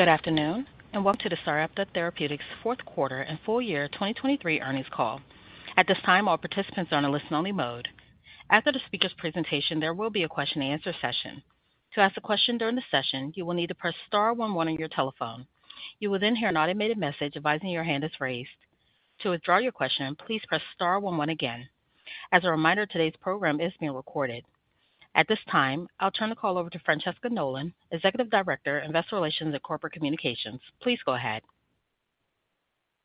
Good afternoon and welcome to the Sarepta Therapeutics fourth quarter and full year 2023 earnings call. At this time, all participants are in a listen-only mode. After the speaker's presentation, there will be a question-and-answer session. To ask a question during the session, you will need to press star one one on your telephone. You will then hear an automated message advising your hand is raised. To withdraw your question, please press star one one again. As a reminder, today's program is being recorded. At this time, I'll turn the call over to Francesca Nolan, Executive Director, Investor Relations and Corporate Communications. Please go ahead.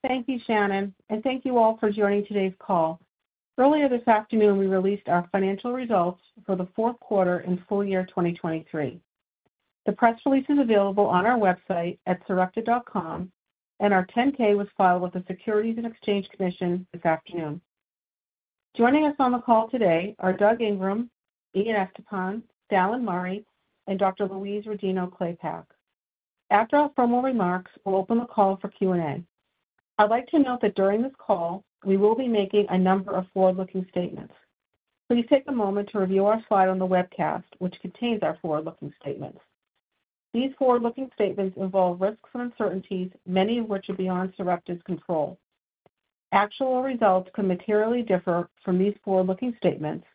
Thank you, Shannon, and thank you all for joining today's call. Earlier this afternoon, we released our financial results for the fourth quarter and full year 2023. The press release is available on our website at sarepta.com, and our 10-K was filed with the Securities and Exchange Commission this afternoon. Joining us on the call today are Doug Ingram, Ian Estepan, Dallan Murray, and Dr. Louise Rodino-Klapac. After our formal remarks, we'll open the call for Q&A. I'd like to note that during this call, we will be making a number of forward-looking statements. Please take a moment to review our slide on the webcast, which contains our forward-looking statements. These forward-looking statements involve risks and uncertainties, many of which are beyond Sarepta's control. Actual results can materially differ from these forward-looking statements,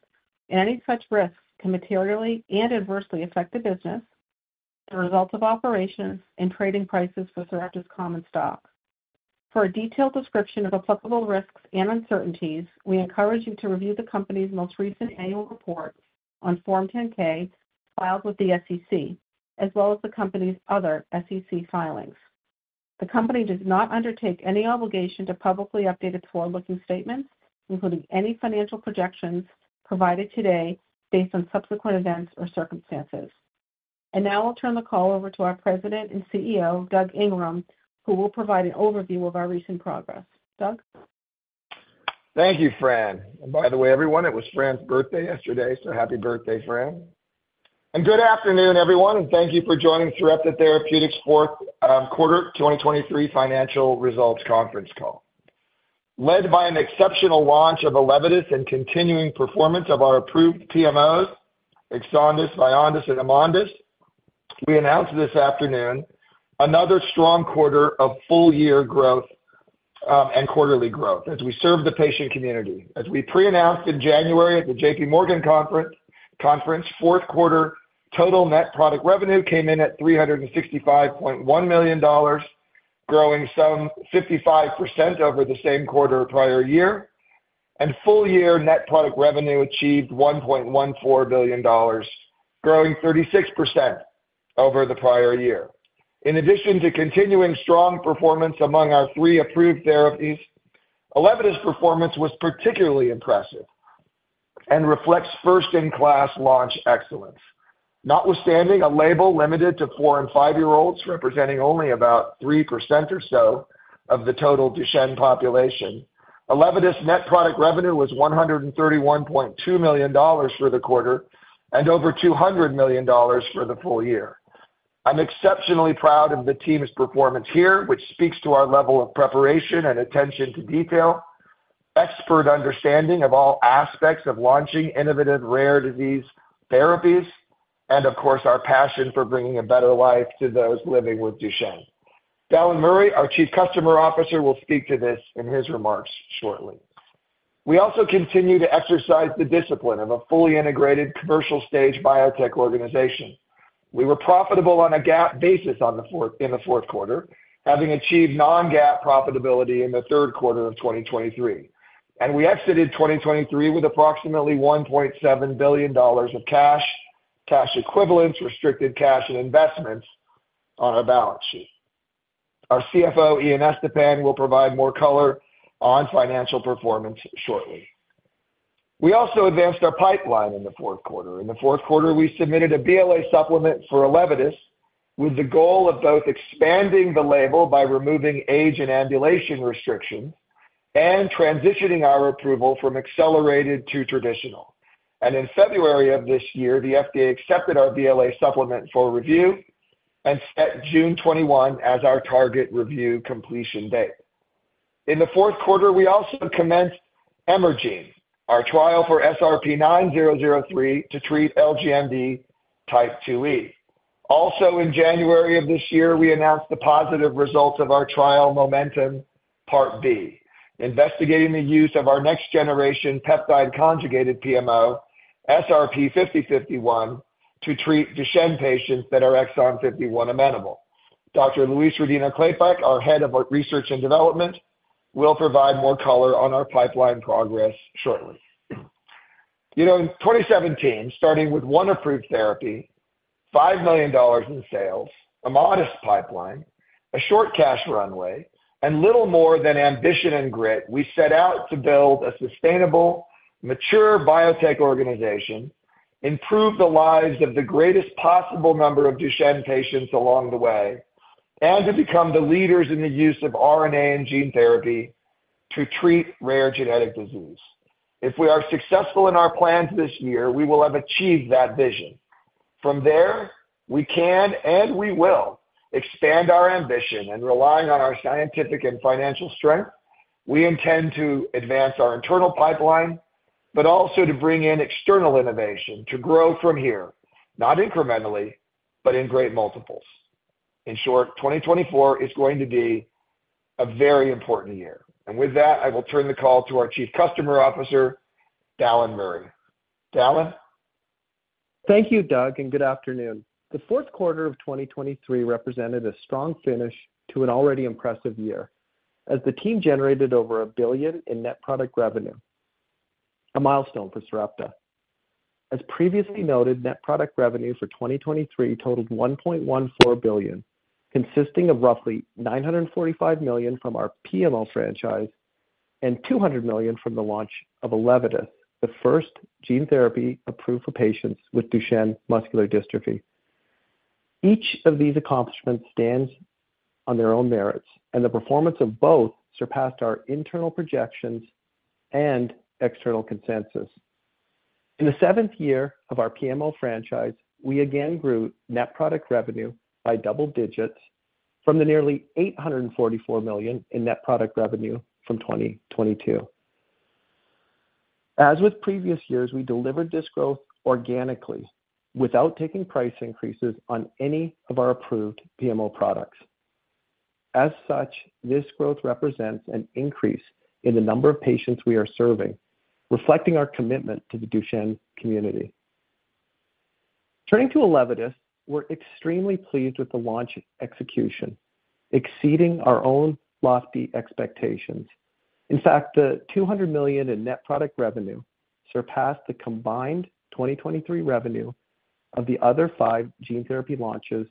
and any such risks can materially and adversely affect the business, the results of operations, and trading prices for Sarepta's common stock. For a detailed description of applicable risks and uncertainties, we encourage you to review the company's most recent annual report on Form 10-K filed with the SEC, as well as the company's other SEC filings. The company does not undertake any obligation to publicly update its forward-looking statements, including any financial projections provided today based on subsequent events or circumstances. Now I'll turn the call over to our President and CEO, Doug Ingram, who will provide an overview of our recent progress. Doug? Thank you, Fran. And by the way, everyone, it was Fran's birthday yesterday, so happy birthday, Fran. And good afternoon, everyone, and thank you for joining Sarepta Therapeutics' fourth quarter 2023 financial results conference call. Led by an exceptional launch of ELEVIDYS and continuing performance of our approved PMOs, EXONDYS, VYONDYS, and AMONDYS, we announced this afternoon another strong quarter of full-year growth and quarterly growth as we serve the patient community. As we pre-announced in January at the JPMorgan conference, fourth quarter total net product revenue came in at $365.1 million, growing some 55% over the same quarter prior year. And full-year net product revenue achieved $1.14 billion, growing 36% over the prior year. In addition to continuing strong performance among our three approved therapies, ELEVIDYS' performance was particularly impressive and reflects first-in-class launch excellence. Notwithstanding a label limited to four and five-year-olds representing only about 3% or so of the total Duchenne population, ELEVIDYS' net product revenue was $131.2 million for the quarter and over $200 million for the full year. I'm exceptionally proud of the team's performance here, which speaks to our level of preparation and attention to detail, expert understanding of all aspects of launching innovative rare disease therapies, and of course, our passion for bringing a better life to those living with Duchenne. Dallan Murray, our Chief Customer Officer, will speak to this in his remarks shortly. We also continue to exercise the discipline of a fully integrated commercial stage biotech organization. We were profitable on a GAAP basis in the fourth quarter, having achieved non-GAAP profitability in the third quarter of 2023. We exited 2023 with approximately $1.7 billion of cash, cash equivalents, restricted cash, and investments on our balance sheet. Our CFO, Ian Estepan, will provide more color on financial performance shortly. We also advanced our pipeline in the fourth quarter. In the fourth quarter, we submitted a BLA supplement for ELEVIDYS with the goal of both expanding the label by removing age and ambulation restrictions and transitioning our approval from accelerated to traditional. In February of this year, the FDA accepted our BLA supplement for review and set June 21 as our target review completion date. In the fourth quarter, we also commenced EMERGENE, our trial for SRP-9003 to treat LGMD type 2E. Also in January of this year, we announced the positive results of our trial MOMENTUM part B, investigating the use of our next-generation peptide-conjugated PMO, SRP-5051, to treat Duchenne patients that are exon 51 amenable. Dr. Louise Rodino-Klapac, our Head of Research and Development, will provide more color on our pipeline progress shortly. In 2017, starting with one approved therapy, $5 million in sales, a modest pipeline, a short cash runway, and little more than ambition and grit, we set out to build a sustainable, mature biotech organization, improve the lives of the greatest possible number of Duchenne patients along the way, and to become the leaders in the use of RNA and gene therapy to treat rare genetic disease. If we are successful in our plans this year, we will have achieved that vision. From there, we can and we will expand our ambition, and relying on our scientific and financial strength, we intend to advance our internal pipeline, but also to bring in external innovation to grow from here, not incrementally, but in great multiples. In short, 2024 is going to be a very important year. With that, I will turn the call to our Chief Customer Officer, Dallan Murray. Dallan? Thank you, Doug, and good afternoon. The fourth quarter of 2023 represented a strong finish to an already impressive year as the team generated over $1 billion in net product revenue, a milestone for Sarepta. As previously noted, net product revenue for 2023 totaled $1.14 billion, consisting of roughly $945 million from our PMO franchise and $200 million from the launch of ELEVIDYS, the first gene therapy approved for patients with Duchenne muscular dystrophy. Each of these accomplishments stands on their own merits, and the performance of both surpassed our internal projections and external consensus. In the seventh year of our PMO franchise, we again grew net product revenue by double digits from the nearly $844 million in net product revenue from 2022. As with previous years, we delivered this growth organically without taking price increases on any of our approved PMO products. As such, this growth represents an increase in the number of patients we are serving, reflecting our commitment to the Duchenne community. Turning to ELEVIDYS, we're extremely pleased with the launch execution, exceeding our own lofty expectations. In fact, the $200 million in net product revenue surpassed the combined 2023 revenue of the other five gene therapy launches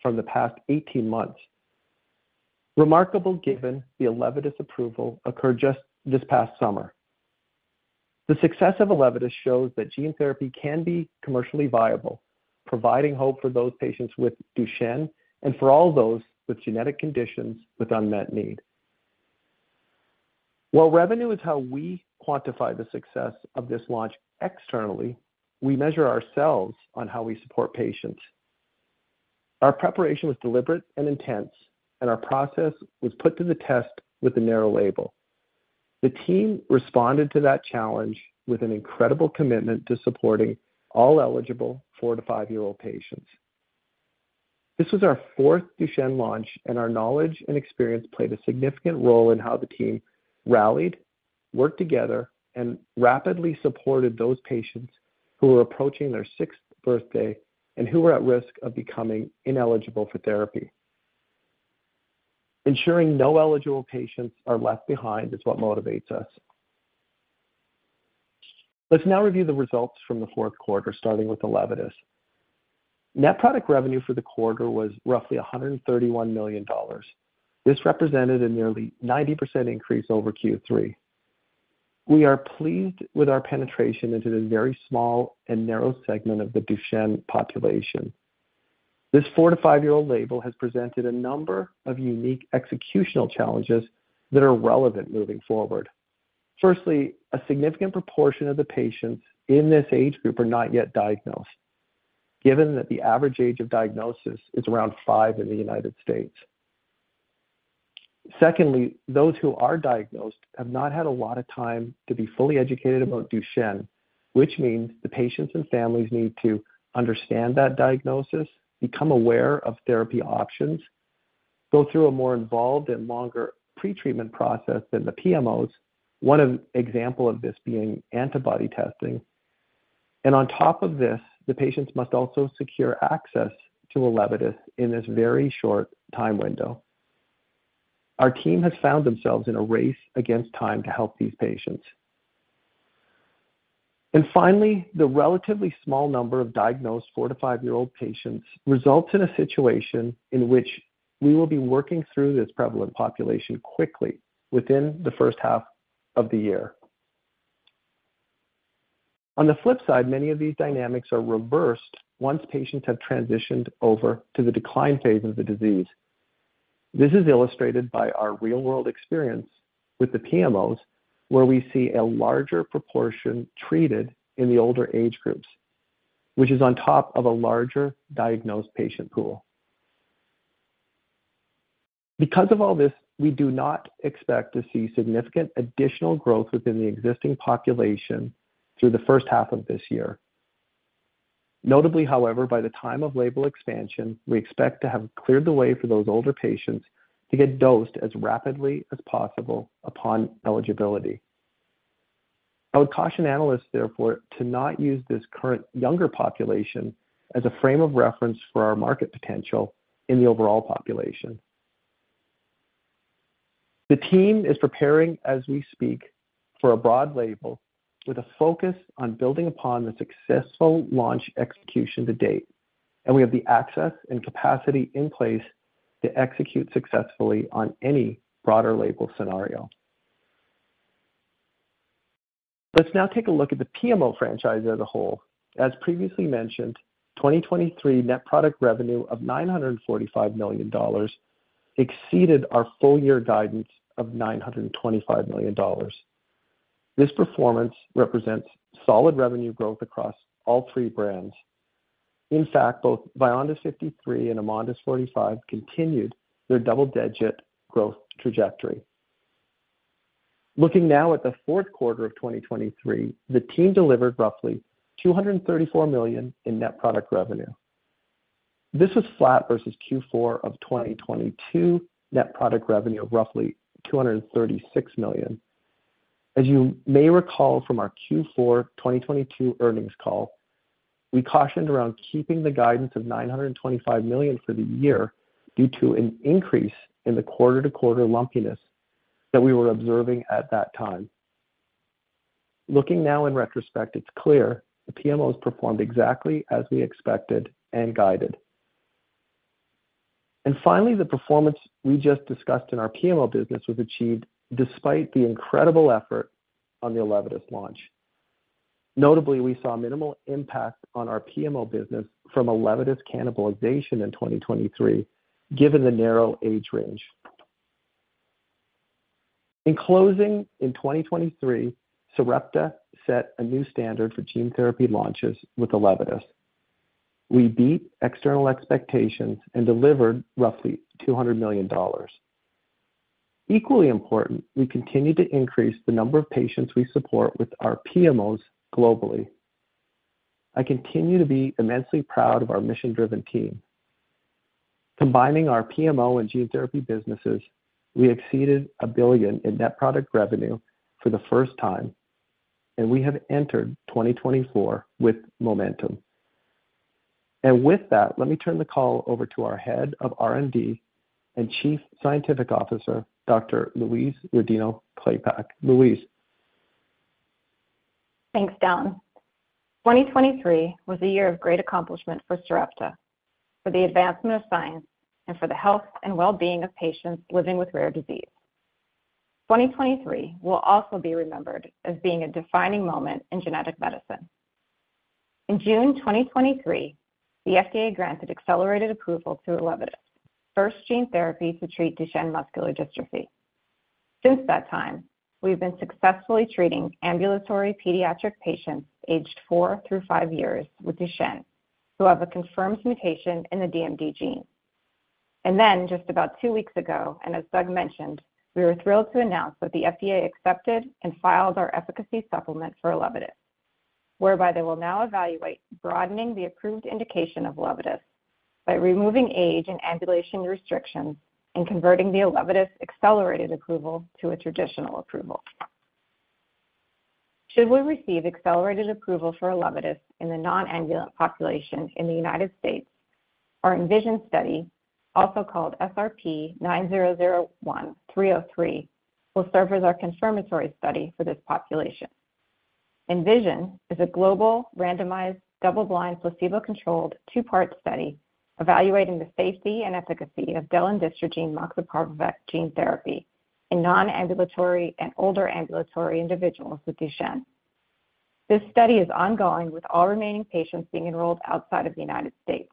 from the past 18 months, remarkable given the ELEVIDYS' approval occurred just this past summer. The success of ELEVIDYS shows that gene therapy can be commercially viable, providing hope for those patients with Duchenne and for all those with genetic conditions with unmet need. While revenue is how we quantify the success of this launch externally, we measure ourselves on how we support patients. Our preparation was deliberate and intense, and our process was put to the test with the narrow label. The team responded to that challenge with an incredible commitment to supporting all eligible four to five-year-old patients. This was our fourth Duchenne launch, and our knowledge and experience played a significant role in how the team rallied, worked together, and rapidly supported those patients who were approaching their sixth birthday and who were at risk of becoming ineligible for therapy. Ensuring no eligible patients are left behind is what motivates us. Let's now review the results from the fourth quarter, starting with ELEVIDYS. Net product revenue for the quarter was roughly $131 million. This represented a nearly 90% increase over Q3. We are pleased with our penetration into this very small and narrow segment of the Duchenne population. This four to five-year-old label has presented a number of unique executional challenges that are relevant moving forward. Firstly, a significant proportion of the patients in this age group are not yet diagnosed, given that the average age of diagnosis is around five in the United States. Secondly, those who are diagnosed have not had a lot of time to be fully educated about Duchenne, which means the patients and families need to understand that diagnosis, become aware of therapy options, go through a more involved and longer pretreatment process than the PMOs, one example of this being antibody testing. And on top of this, the patients must also secure access to ELEVIDYS in this very short time window. Our team has found themselves in a race against time to help these patients. And finally, the relatively small number of diagnosed four to five-year-old patients results in a situation in which we will be working through this prevalent population quickly within the first half of the year. On the flip side, many of these dynamics are reversed once patients have transitioned over to the decline phase of the disease. This is illustrated by our real-world experience with the PMOs, where we see a larger proportion treated in the older age groups, which is on top of a larger diagnosed patient pool. Because of all this, we do not expect to see significant additional growth within the existing population through the first half of this year. Notably, however, by the time of label expansion, we expect to have cleared the way for those older patients to get dosed as rapidly as possible upon eligibility. I would caution analysts, therefore, to not use this current younger population as a frame of reference for our market potential in the overall population. The team is preparing, as we speak, for a broad label with a focus on building upon the successful launch execution to date. We have the access and capacity in place to execute successfully on any broader label scenario. Let's now take a look at the PMO franchise as a whole. As previously mentioned, 2023 net product revenue of $945 million exceeded our full-year guidance of $925 million. This performance represents solid revenue growth across all three brands. In fact, both VYONDYS 53 and AMONDYS 45 continued their double-digit growth trajectory. Looking now at the fourth quarter of 2023, the team delivered roughly $234 million in net product revenue. This was flat versus Q4 of 2022, net product revenue of roughly $236 million. As you may recall from our Q4 2022 earnings call, we cautioned around keeping the guidance of $925 million for the year due to an increase in the quarter-to-quarter lumpiness that we were observing at that time. Looking now in retrospect, it's clear the PMOs performed exactly as we expected and guided. And finally, the performance we just discussed in our PMO business was achieved despite the incredible effort on the ELEVIDYS' launch. Notably, we saw minimal impact on our PMO business from ELEVIDYS' cannibalization in 2023, given the narrow age range. In closing, in 2023, Sarepta set a new standard for gene therapy launches with ELEVIDYS. We beat external expectations and delivered roughly $200 million. Equally important, we continued to increase the number of patients we support with our PMOs globally. I continue to be immensely proud of our mission-driven team. Combining our PMO and gene therapy businesses, we exceeded $1 billion in net product revenue for the first time, and we have entered 2024 with momentum. With that, let me turn the call over to our Head of R&D and Chief Scientific Officer, Dr. Louise Rodino-Klapac. Louise. Thanks, Dallan. 2023 was a year of great accomplishment for Sarepta, for the advancement of science and for the health and well-being of patients living with rare disease. 2023 will also be remembered as being a defining moment in genetic medicine. In June 2023, the FDA granted accelerated approval to ELEVIDYS, first gene therapy to treat Duchenne muscular dystrophy. Since that time, we've been successfully treating ambulatory pediatric patients aged four through five years with Duchenne who have a confirmed mutation in the DMD gene. And then just about two weeks ago, and as Doug mentioned, we were thrilled to announce that the FDA accepted and filed our efficacy supplement for ELEVIDYS, whereby they will now evaluate broadening the approved indication of ELEVIDYS by removing age and ambulation restrictions and converting the ELEVIDYS' accelerated approval to a traditional approval. Should we receive accelerated approval for ELEVIDYS in the non-ambulant population in the United States, our ENVISION study, also called SRP-9001-303, will serve as our confirmatory study for this population. ENVISION is a global randomized double-blind placebo-controlled two-part study evaluating the safety and efficacy of delandistrogene moxeparvovec gene therapy in non-ambulatory and older ambulatory individuals with Duchenne. This study is ongoing with all remaining patients being enrolled outside of the United States.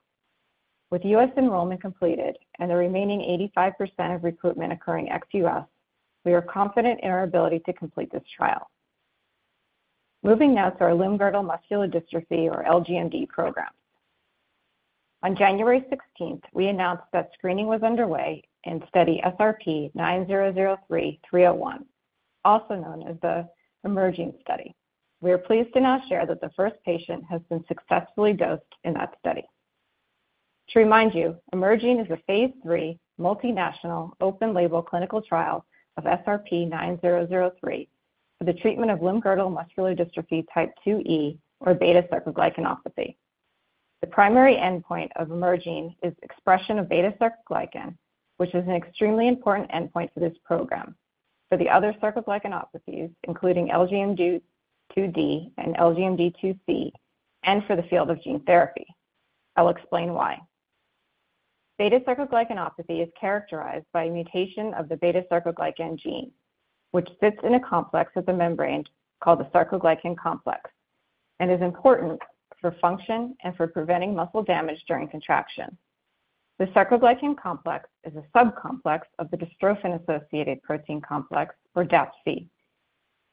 With U.S. enrollment completed and the remaining 85% of recruitment occurring ex-U.S., we are confident in our ability to complete this trial. Moving now to our limb-girdle muscular dystrophy or LGMD programs. On January 16th, we announced that screening was underway in study SRP-9003-301, also known as the EMERGENE study. We are pleased to now share that the first patient has been successfully dosed in that study. To remind you, EMERGENE is a phase III multinational open-label clinical trial of SRP-9003 for the treatment of limb-girdle muscular dystrophy type 2E or beta-sarcoglycanopathy. The primary endpoint of EMERGENE is expression of beta-sarcoglycan, which is an extremely important endpoint for this program, for the other sarcoglycanopathies, including LGMD2D and LGMD2C, and for the field of gene therapy. I'll explain why. Beta-sarcoglycanopathy is characterized by a mutation of the beta-sarcoglycan gene, which sits in a complex of the membrane called the sarcoglycan complex and is important for function and for preventing muscle damage during contraction. The sarcoglycan complex is a subcomplex of the dystrophin-associated protein complex or DAPC.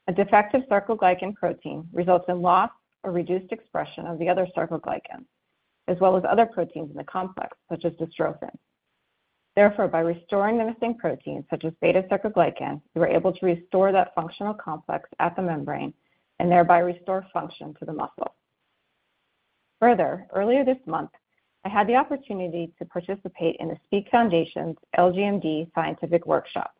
A defective sarcoglycan protein results in loss or reduced expression of the other sarcoglycans, as well as other proteins in the complex such as dystrophin. Therefore, by restoring the missing protein such as beta-sarcoglycan, you are able to restore that functional complex at the membrane and thereby restore function to the muscle. Further, earlier this month, I had the opportunity to participate in the SPEAK Foundation's LGMD scientific workshop,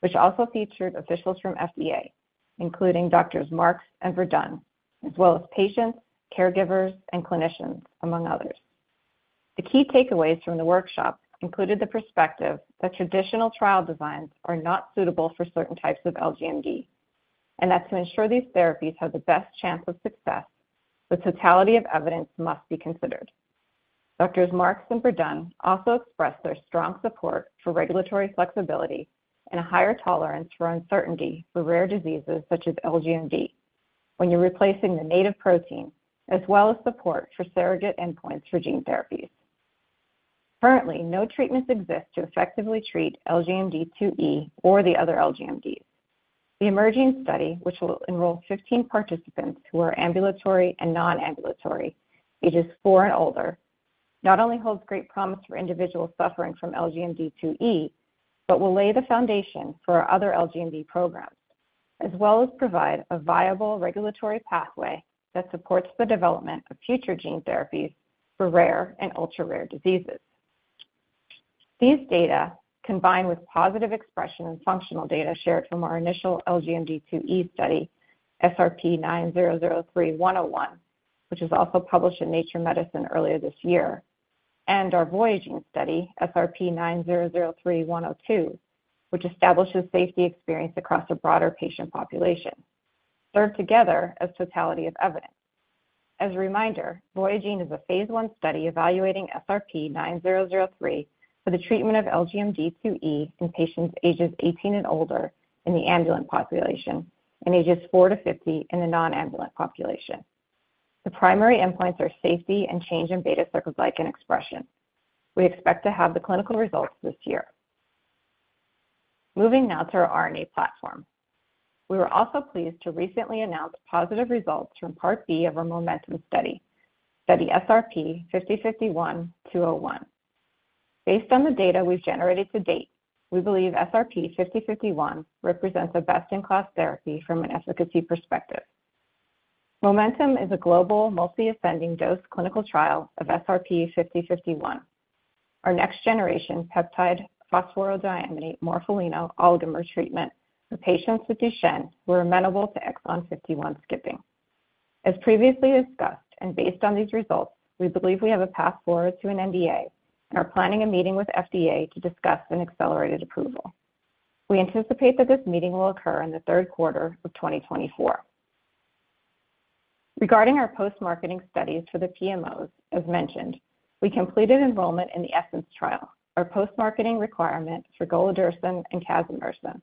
which also featured officials from FDA, including doctors Marks and Verdun, as well as patients, caregivers, and clinicians, among others. The key takeaways from the workshop included the perspective that traditional trial designs are not suitable for certain types of LGMD, and that to ensure these therapies have the best chance of success, the totality of evidence must be considered. Doctors Marks and Verdun also expressed their strong support for regulatory flexibility and a higher tolerance for uncertainty for rare diseases such as LGMD when you're replacing the native protein, as well as support for surrogate endpoints for gene therapies. Currently, no treatments exist to effectively treat LGMD2E or the other LGMDs. The EMERGENE study, which will enroll 15 participants who are ambulatory and non-ambulatory, ages four and older, not only holds great promise for individuals suffering from LGMD2E, but will lay the foundation for our other LGMD programs, as well as provide a viable regulatory pathway that supports the development of future gene therapies for rare and ultra-rare diseases. These data, combined with positive expression and functional data shared from our initial LGMD2E study, SRP-9003-101, which was also published in Nature Medicine earlier this year, and our VOYAGENE study, SRP-9003-102, which establishes safety experience across a broader patient population, serve together as totality of evidence. As a reminder, VOYAGENE is a phase I study evaluating SRP-9003 for the treatment of LGMD2E in patients ages 18 and older in the ambulant population and ages four to 50 in the non-ambulant population. The primary endpoints are safety and change in beta-sarcoglycan expression. We expect to have the clinical results this year. Moving now to our RNA platform. We were also pleased to recently announce positive results from part B of our MOMENTUM study, study SRP-5051-201. Based on the data we've generated to date, we believe SRP-5051 represents a best-in-class therapy from an efficacy perspective. MOMENTUM is a global multi-ascending dose clinical trial of SRP-5051, our next generation peptide-conjugated phosphorodiamidate morpholino oligomer treatment for patients with Duchenne who are amenable to exon 51 skipping. As previously discussed and based on these results, we believe we have a path forward to an NDA and are planning a meeting with FDA to discuss an accelerated approval. We anticipate that this meeting will occur in the third quarter of 2024. Regarding our post-marketing studies for the PMOs, as mentioned, we completed enrollment in the ESSENCE trial, our post-marketing requirement for golodirsen and casimersen.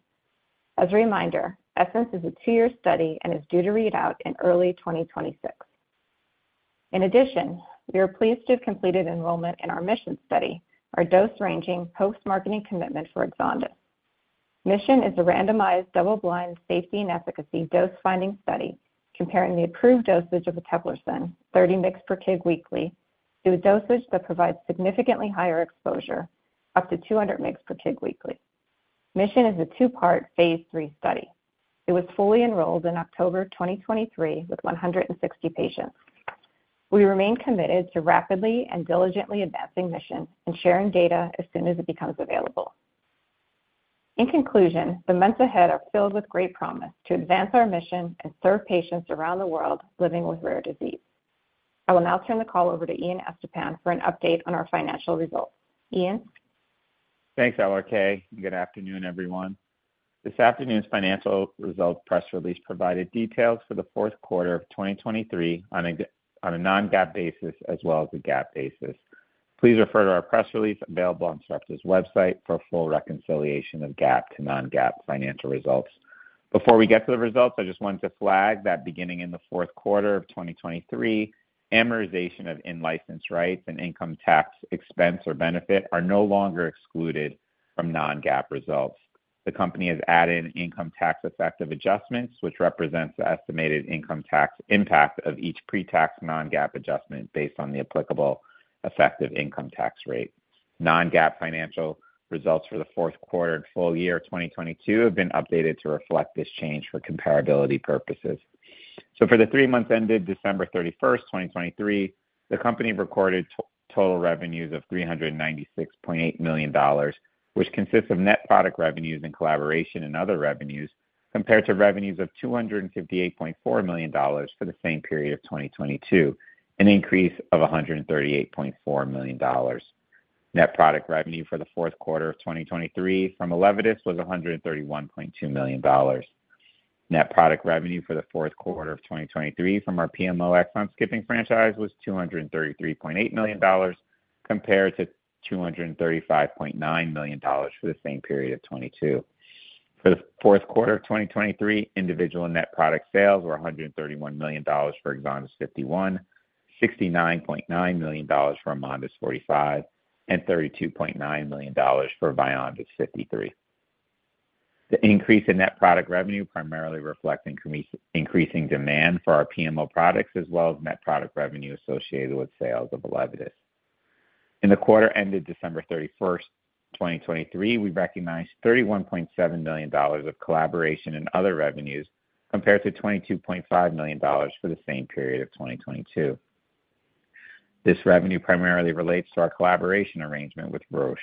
As a reminder, ESSENCE is a two-year study and is due to read out in early 2026. In addition, we are pleased to have completed enrollment in our MIS51ON study, our dose-ranging post-marketing commitment for eteplirsen. MIS51ON is a randomized double-blind safety and efficacy dose-finding study comparing the approved dosage of eteplirsen, 30 mg/kg weekly, to a dosage that provides significantly higher exposure, up to 200 mg/kg weekly. MIS51ON is a two-part phase III study. It was fully enrolled in October 2023 with 160 patients. We remain committed to rapidly and diligently advancing MIS51ON and sharing data as soon as it becomes available. In conclusion, the months ahead are filled with great promise to advance our MIS51ON and serve patients around the world living with rare disease. I will now turn the call over to Ian Estepan for an update on our financial results. Ian. Thanks, Dr. K. Good afternoon, everyone. This afternoon's financial result press release provided details for the fourth quarter of 2023 on a non-GAAP basis as well as a GAAP basis. Please refer to our press release available on Sarepta's website for a full reconciliation of GAAP to non-GAAP financial results. Before we get to the results, I just wanted to flag that beginning in the fourth quarter of 2023, amortization of in-license rights and income tax expense or benefit are no longer excluded from non-GAAP results. The company has added income tax effective adjustments, which represents the estimated income tax impact of each pre-tax non-GAAP adjustment based on the applicable effective income tax rate. Non-GAAP financial results for the fourth quarter and full year of 2022 have been updated to reflect this change for comparability purposes. So for the three months ended December 31st, 2023, the company recorded total revenues of $396.8 million, which consists of net product revenues in collaboration and other revenues compared to revenues of $258.4 million for the same period of 2022, an increase of $138.4 million. Net product revenue for the fourth quarter of 2023 from ELEVIDYS was $131.2 million. Net product revenue for the fourth quarter of 2023 from our PMO exon skipping franchise was $233.8 million compared to $235.9 million for the same period of 2022. For the fourth quarter of 2023, individual net product sales were $131 million for EXONDYS 51, $69.9 million for AMONDYS 45, and $32.9 million for VYONDYS 53. The increase in net product revenue primarily reflects increasing demand for our PMO products as well as net product revenue associated with sales of ELEVIDYS. In the quarter ended December 31st, 2023, we recognized $31.7 million of collaboration and other revenues compared to $22.5 million for the same period of 2022. This revenue primarily relates to our collaboration arrangement with Roche.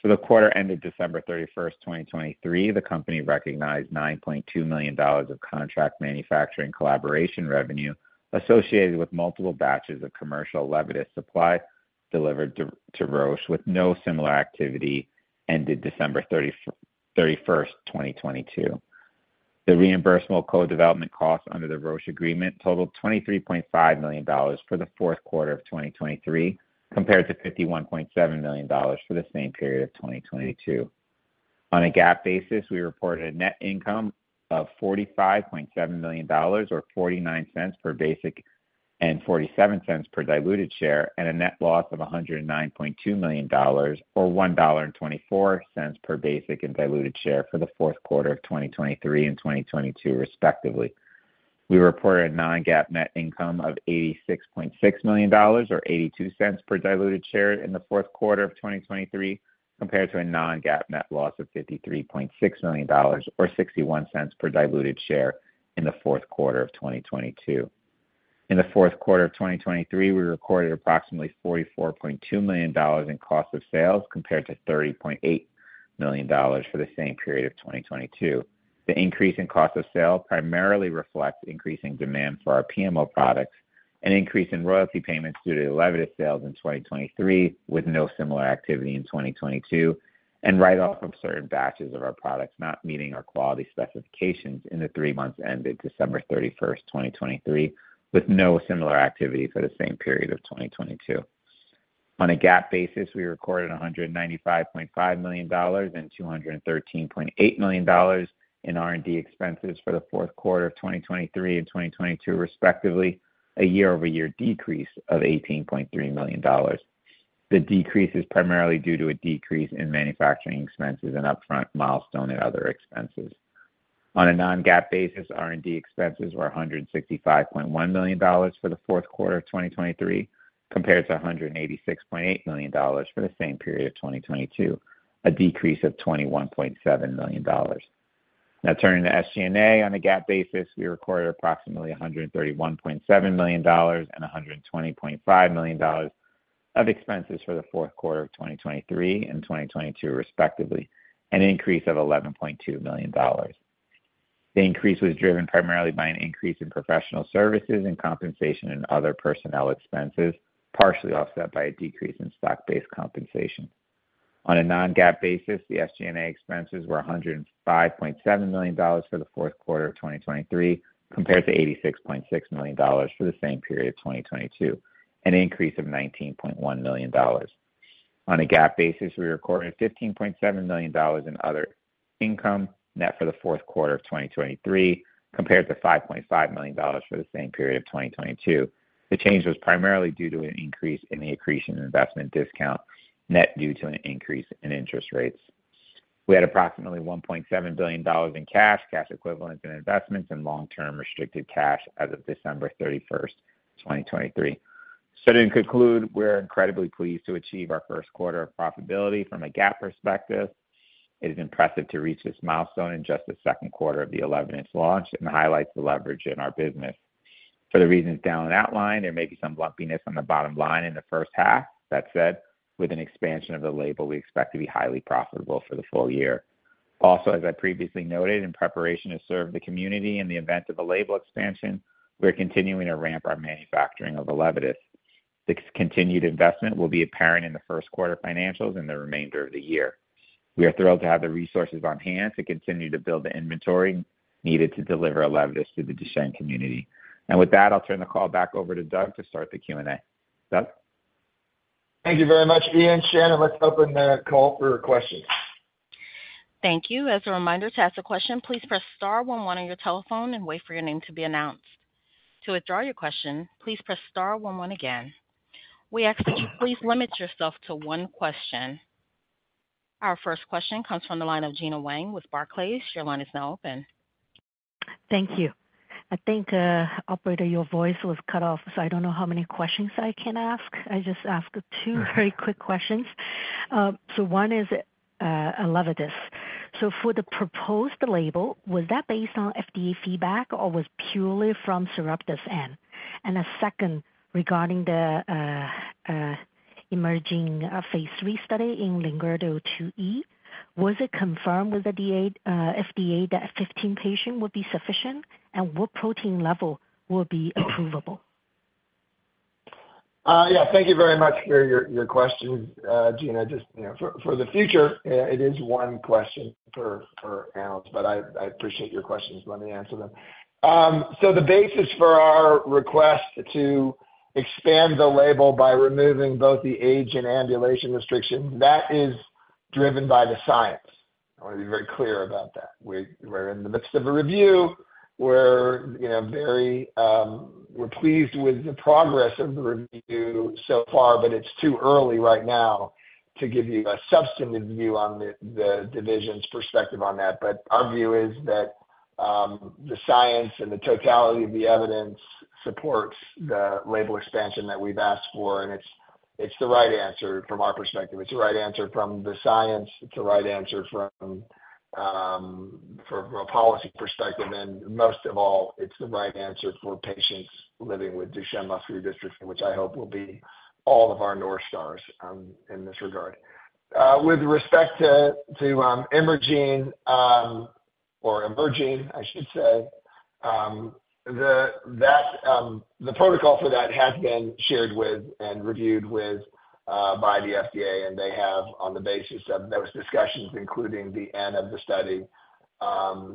For the quarter ended December 31st, 2023, the company recognized $9.2 million of contract manufacturing collaboration revenue associated with multiple batches of commercial ELEVIDYS supply delivered to Roche with no similar activity ended December 31st, 2022. The reimbursable co-development costs under the Roche agreement totaled $23.5 million for the fourth quarter of 2023 compared to $51.7 million for the same period of 2022. On a GAAP basis, we reported a net income of $45.7 million or $0.49 per basic and $0.47 per diluted share, and a net loss of $109.2 million or $1.24 per basic and diluted share for the fourth quarter of 2023 and 2022, respectively. We reported a non-GAAP net income of $86.6 million or $0.82 per diluted share in the fourth quarter of 2023 compared to a non-GAAP net loss of $53.6 million or $0.61 per diluted share in the fourth quarter of 2022. In the fourth quarter of 2023, we recorded approximately $44.2 million in cost of sales compared to $30.8 million for the same period of 2022. The increase in cost of sales primarily reflects increasing demand for our PMO products, an increase in royalty payments due to ELEVIDYS sales in 2023 with no similar activity in 2022, and write-off of certain batches of our products not meeting our quality specifications in the three months ended December 31st, 2023, with no similar activity for the same period of 2022. On a GAAP basis, we recorded $195.5 million and $213.8 million in R&D expenses for the fourth quarter of 2023 and 2022, respectively, a year-over-year decrease of $18.3 million. The decrease is primarily due to a decrease in manufacturing expenses and upfront milestone and other expenses. On a non-GAAP basis, R&D expenses were $165.1 million for the fourth quarter of 2023 compared to $186.8 million for the same period of 2022, a decrease of $21.7 million. Now, turning to SG&A, on a GAAP basis, we recorded approximately $131.7 million and $120.5 million of expenses for the fourth quarter of 2023 and 2022, respectively, an increase of $11.2 million. The increase was driven primarily by an increase in professional services and compensation and other personnel expenses, partially offset by a decrease in stock-based compensation. On a non-GAAP basis, the SG&A expenses were $105.7 million for the fourth quarter of 2023 compared to $86.6 million for the same period of 2022, an increase of $19.1 million. On a GAAP basis, we recorded $15.7 million in other income net for the fourth quarter of 2023 compared to $5.5 million for the same period of 2022. The change was primarily due to an increase in the accretion investment discount net due to an increase in interest rates. We had approximately $1.7 billion in cash, cash equivalents and investments, and long-term restricted cash as of December 31st, 2023. To conclude, we're incredibly pleased to achieve our first quarter of profitability from a GAAP perspective. It is impressive to reach this milestone in just the second quarter of the ELEVIDYS launch and highlights the leverage in our business. For the reasons detailed and outlined, there may be some lumpiness on the bottom line in the first half. That said, with an expansion of the label, we expect to be highly profitable for the full year. Also, as I previously noted, in preparation to serve the community in the event of a label expansion, we're continuing to ramp our manufacturing of ELEVIDYS. This continued investment will be apparent in the first quarter financials and the remainder of the year. We are thrilled to have the resources on hand to continue to build the inventory needed to deliver ELEVIDYS to the Duchenne community. And with that, I'll turn the call back over to Doug to start the Q&A. Doug. Thank you very much, Ian. Shannon, let's open the call for questions. Thank you. As a reminder, to ask a question, please press star one one on your telephone and wait for your name to be announced. To withdraw your question, please press star one one again. We ask that you please limit yourself to one question. Our first question comes from the line of Gena Wang with Barclays. Your line is now open. Thank you. I think, Operator, your voice was cut off, so I don't know how many questions I can ask. I just ask two very quick questions. One is ELEVIDYS. For the proposed label, was that based on FDA feedback or was purely from Sarepta's end? And a second, regarding the EMERGENE phase III study in LGMD2E, was it confirmed with the FDA that 15 patients would be sufficient and what protein level would be approvable? Yeah. Thank you very much for your questions, Gena. For the future, it is one question per person, but I appreciate your questions. Let me answer them. So the basis for our request to expand the label by removing both the age and ambulation restrictions, that is driven by the science. I want to be very clear about that. We're in the midst of a review. We're pleased with the progress of the review so far, but it's too early right now to give you a substantive view on the division's perspective on that. But our view is that the science and the totality of the evidence supports the label expansion that we've asked for, and it's the right answer from our perspective. It's the right answer from the science. It's the right answer from a policy perspective. And most of all, it's the right answer for patients living with Duchenne muscular dystrophy, which I hope will be all of our North Stars in this regard. With respect to EMERGENE or EMERGENE, I should say, the protocol for that has been shared with and reviewed by the FDA, and they have, on the basis of those discussions, including the end of the study,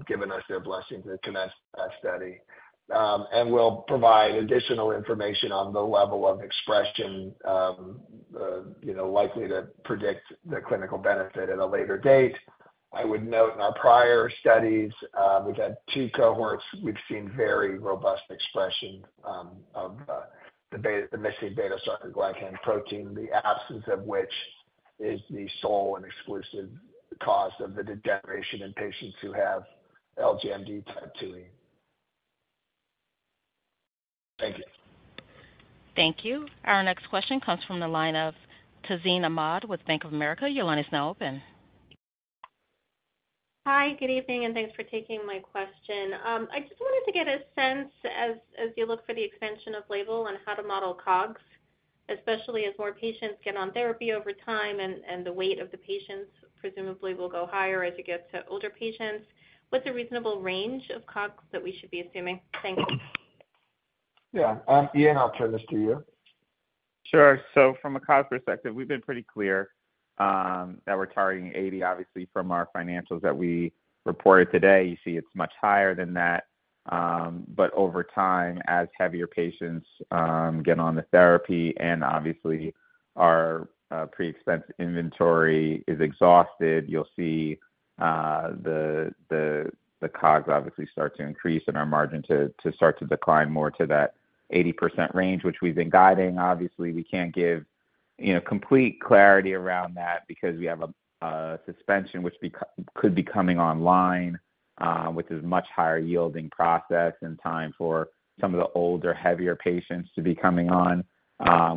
given us their blessing to commence that study and will provide additional information on the level of expression likely to predict the clinical benefit at a later date. I would note, in our prior studies, we've had two cohorts. We've seen very robust expression of the missing Beta-sarcoglycan protein, the absence of which is the sole and exclusive cause of the degeneration in patients who have LGMD type 2E. Thank you. Thank you. Our next question comes from the line of Tazeen Ahmad with Bank of America. Your line is now open. Hi. Good evening and thanks for taking my question. I just wanted to get a sense as you look for the expansion of label and how to model COGS, especially as more patients get on therapy over time and the weight of the patients presumably will go higher as you get to older patients. What's a reasonable range of COGS that we should be assuming? Thank you. Yeah. Ian, I'll turn this to you. Sure. So from a COGS perspective, we've been pretty clear that we're targeting 80%, obviously, from our financials that we reported today. You see it's much higher than that. But over time, as heavier patients get on the therapy and obviously our pre-expense inventory is exhausted, you'll see the COGS obviously start to increase and our margin to start to decline more to that 80% range, which we've been guiding. Obviously, we can't give complete clarity around that because we have a suspension which could be coming online, which is a much higher yielding process and time for some of the older, heavier patients to be coming on,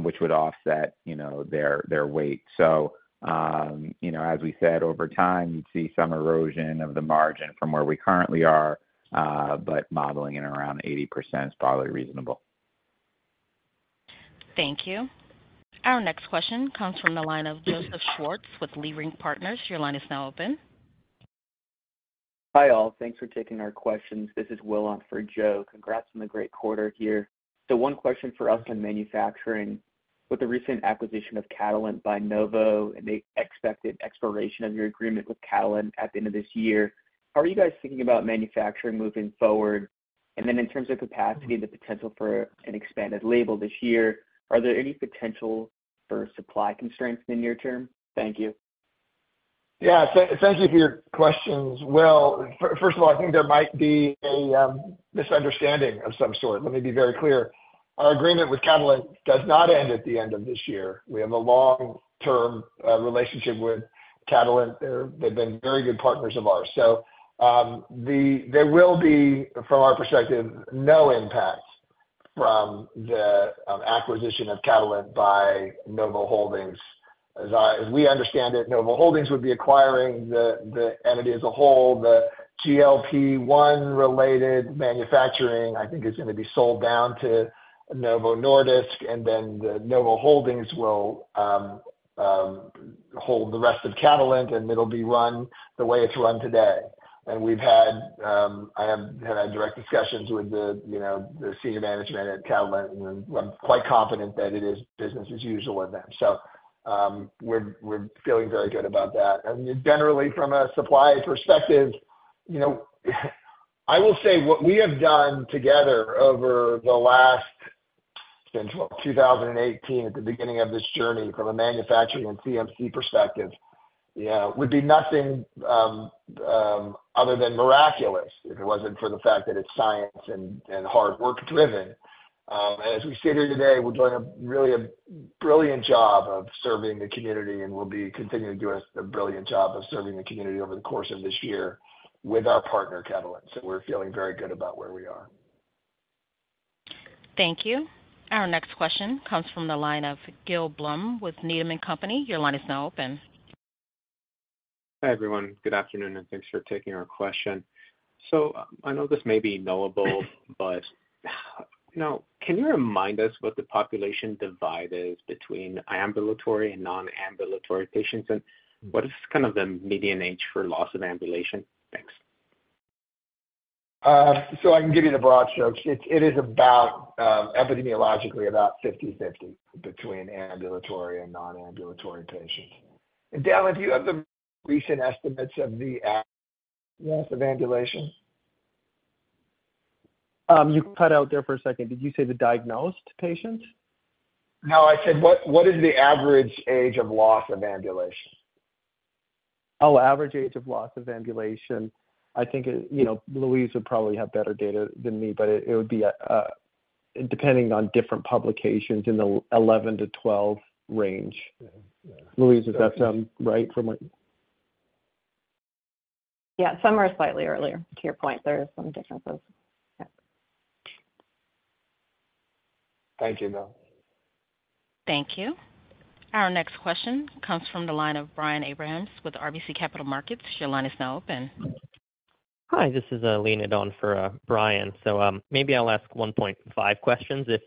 which would offset their weight. So as we said, over time, you'd see some erosion of the margin from where we currently are, but modeling it around 80% is probably reasonable. Thank you. Our next question comes from the line of Joseph Schwartz with Leerink Partners. Your line is now open. Hi all. Thanks for taking our questions. This is Will on for Joe. Congrats on the great quarter here. So one question for us in manufacturing. With the recent acquisition of Catalent by Novo and the expected expiration of your agreement with Catalent at the end of this year, how are you guys thinking about manufacturing moving forward? And then in terms of capacity, the potential for an expanded label this year, are there any potential for supply constraints in the near term? Thank you. Yeah. Thank you for your questions. Well, first of all, I think there might be a misunderstanding of some sort. Let me be very clear. Our agreement with Catalent does not end at the end of this year. We have a long-term relationship with Catalent. They've been very good partners of ours. So there will be, from our perspective, no impact from the acquisition of Catalent by Novo Holdings. As we understand it, Novo Holdings would be acquiring the entity as a whole. The GLP-1 related manufacturing, I think, is going to be sold down to Novo Nordisk, and then Novo Holdings will hold the rest of Catalent, and it'll be run the way it's run today. And I have had direct discussions with the senior management at Catalent, and I'm quite confident that it is business as usual with them. So we're feeling very good about that. And generally, from a supply perspective, I will say what we have done together over the last since 2018 at the beginning of this journey from a manufacturing and CMC perspective would be nothing other than miraculous if it wasn't for the fact that it's science and hard work driven. And as we sit here today, we're doing really a brilliant job of serving the community, and we'll be continuing to do a brilliant job of serving the community over the course of this year with our partner, Catalent. So we're feeling very good about where we are. Thank you. Our next question comes from the line of Gil Blum with Needham & Company. Your line is now open. Hi everyone. Good afternoon and thanks for taking our question. So I know this may be knowable, but can you remind us what the population divide is between ambulatory and non-ambulatory patients? And what is kind of the median age for loss of ambulation? Thanks. So I can give you the broad strokes. It is epidemiologically about 50/50 between ambulatory and non-ambulatory patients. And Dallan, do you have the recent estimates of the loss of ambulation? You cut out there for a second. Did you say the diagnosed patients? No, I said what is the average age of loss of ambulation? Oh, average age of loss of ambulation. I think Louise would probably have better data than me, but it would be depending on different publications in the 11-12 range. Louise, is that right from what? Yeah. Some are slightly earlier. To your point, there are some differences. Thank you, though. Thank you. Our next question comes from the line of Brian Abrahams with RBC Capital Markets. Your line is now open. Hi. This is Leonid on for Brian. So maybe I'll ask 1.5 questions, if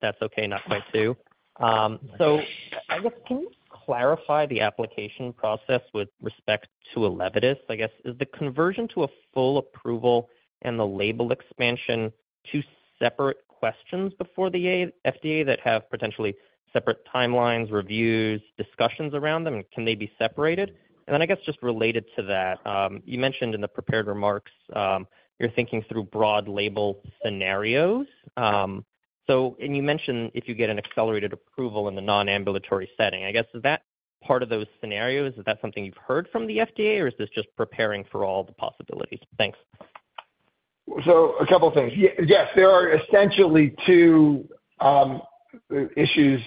that's okay, not quite two. So I guess can you clarify the application process with respect to ELEVIDYS? I guess, is the conversion to a full approval and the label expansion two separate questions before the FDA that have potentially separate timelines, reviews, discussions around them, and can they be separated? And then I guess just related to that, you mentioned in the prepared remarks you're thinking through broad label scenarios. And you mentioned if you get an accelerated approval in the non-ambulatory setting. I guess, is that part of those scenarios? Is that something you've heard from the FDA, or is this just preparing for all the possibilities? Thanks. So a couple of things. Yes, there are essentially two issues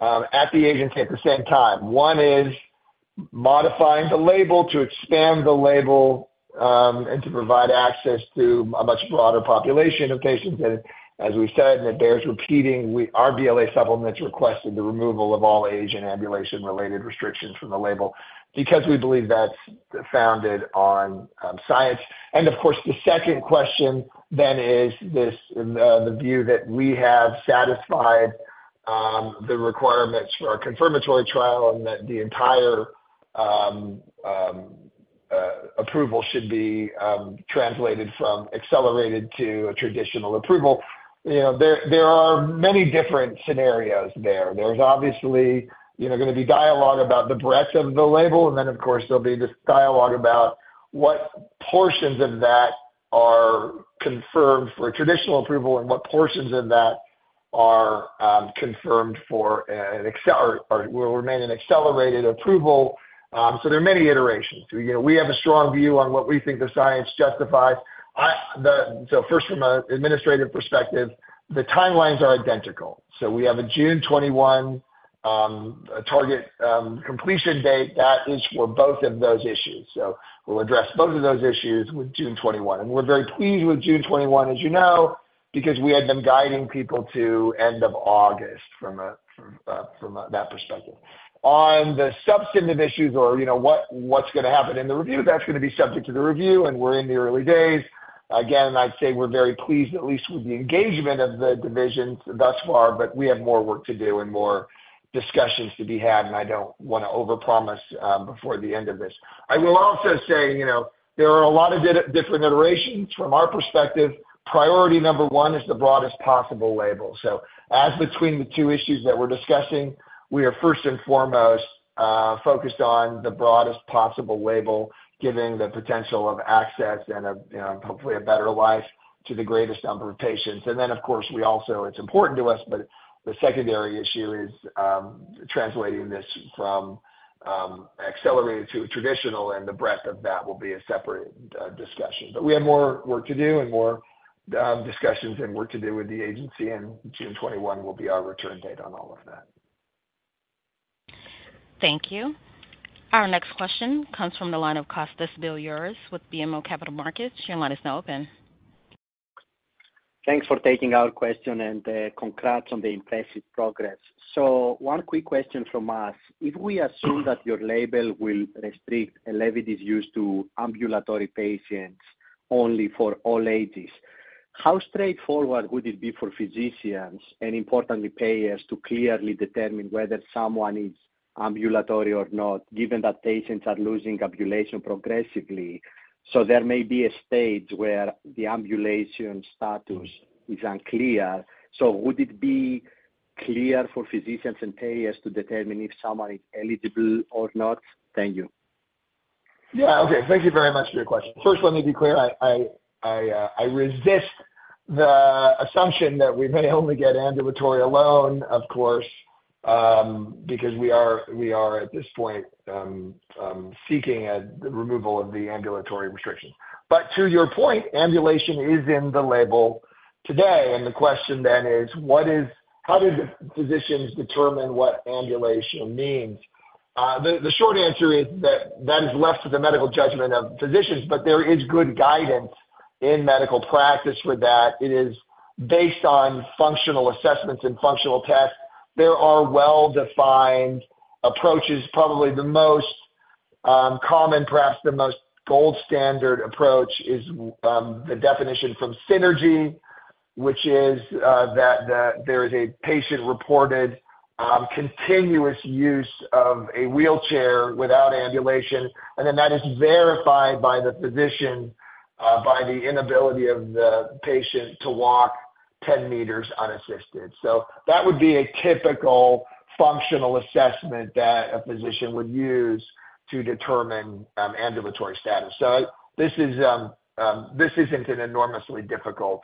at the agency at the same time. One is modifying the label to expand the label and to provide access to a much broader population of patients. And as we said, and it bears repeating, our BLA supplements requested the removal of all age and ambulation-related restrictions from the label because we believe that's founded on science. And of course, the second question then is the view that we have satisfied the requirements for our confirmatory trial and that the entire approval should be translated from accelerated to a traditional approval. There are many different scenarios there. There's obviously going to be dialogue about the breadth of the label, and then, of course, there'll be this dialogue about what portions of that are confirmed for traditional approval and what portions of that are confirmed for will remain an accelerated approval. So there are many iterations. We have a strong view on what we think the science justifies. So first, from an administrative perspective, the timelines are identical. So we have a June 21 target completion date. That is for both of those issues. So we'll address both of those issues with June 21. And we're very pleased with June 21, as you know, because we had been guiding people to end of August from that perspective. On the substantive issues or what's going to happen in the review, that's going to be subject to the review, and we're in the early days. Again, I'd say we're very pleased at least with the engagement of the divisions thus far, but we have more work to do and more discussions to be had, and I don't want to overpromise before the end of this. I will also say there are a lot of different iterations. From our perspective, priority number one is the broadest possible label. So as between the two issues that we're discussing, we are first and foremost focused on the broadest possible label, giving the potential of access and hopefully a better life to the greatest number of patients. And then, of course, it's important to us, but the secondary issue is translating this from accelerated to traditional, and the breadth of that will be a separate discussion. But we have more work to do and more discussions and work to do with the agency, and June 21 will be our return date on all of that. Thank you. Our next question comes from the line of Kostas Biliouris with BMO Capital Markets. Your line is now open. Thanks for taking our question and congrats on the impressive progress. So one quick question from us. If we assume that your label will restrict elevated use to ambulatory patients only for all ages, how straightforward would it be for physicians and, importantly, payers to clearly determine whether someone is ambulatory or not, given that patients are losing ambulation progressively? So there may be a stage where the ambulation status is unclear. So would it be clear for physicians and payers to determine if someone is eligible or not? Thank you. Yeah. Okay. Thank you very much for your question. First, let me be clear. I resist the assumption that we may only get ambulatory alone, of course, because we are at this point seeking the removal of the ambulatory restrictions. But to your point, ambulation is in the label today. And the question then is, how do physicians determine what ambulation means? The short answer is that that is left to the medical judgment of physicians, but there is good guidance in medical practice for that. It is based on functional assessments and functional tests. There are well-defined approaches. Probably the most common, perhaps the most gold standard approach, is the definition from CINRG, which is that there is a patient-reported continuous use of a wheelchair without ambulation, and then that is verified by the physician by the inability of the patient to walk 10 m unassisted. That would be a typical functional assessment that a physician would use to determine ambulatory status. This isn't an enormously difficult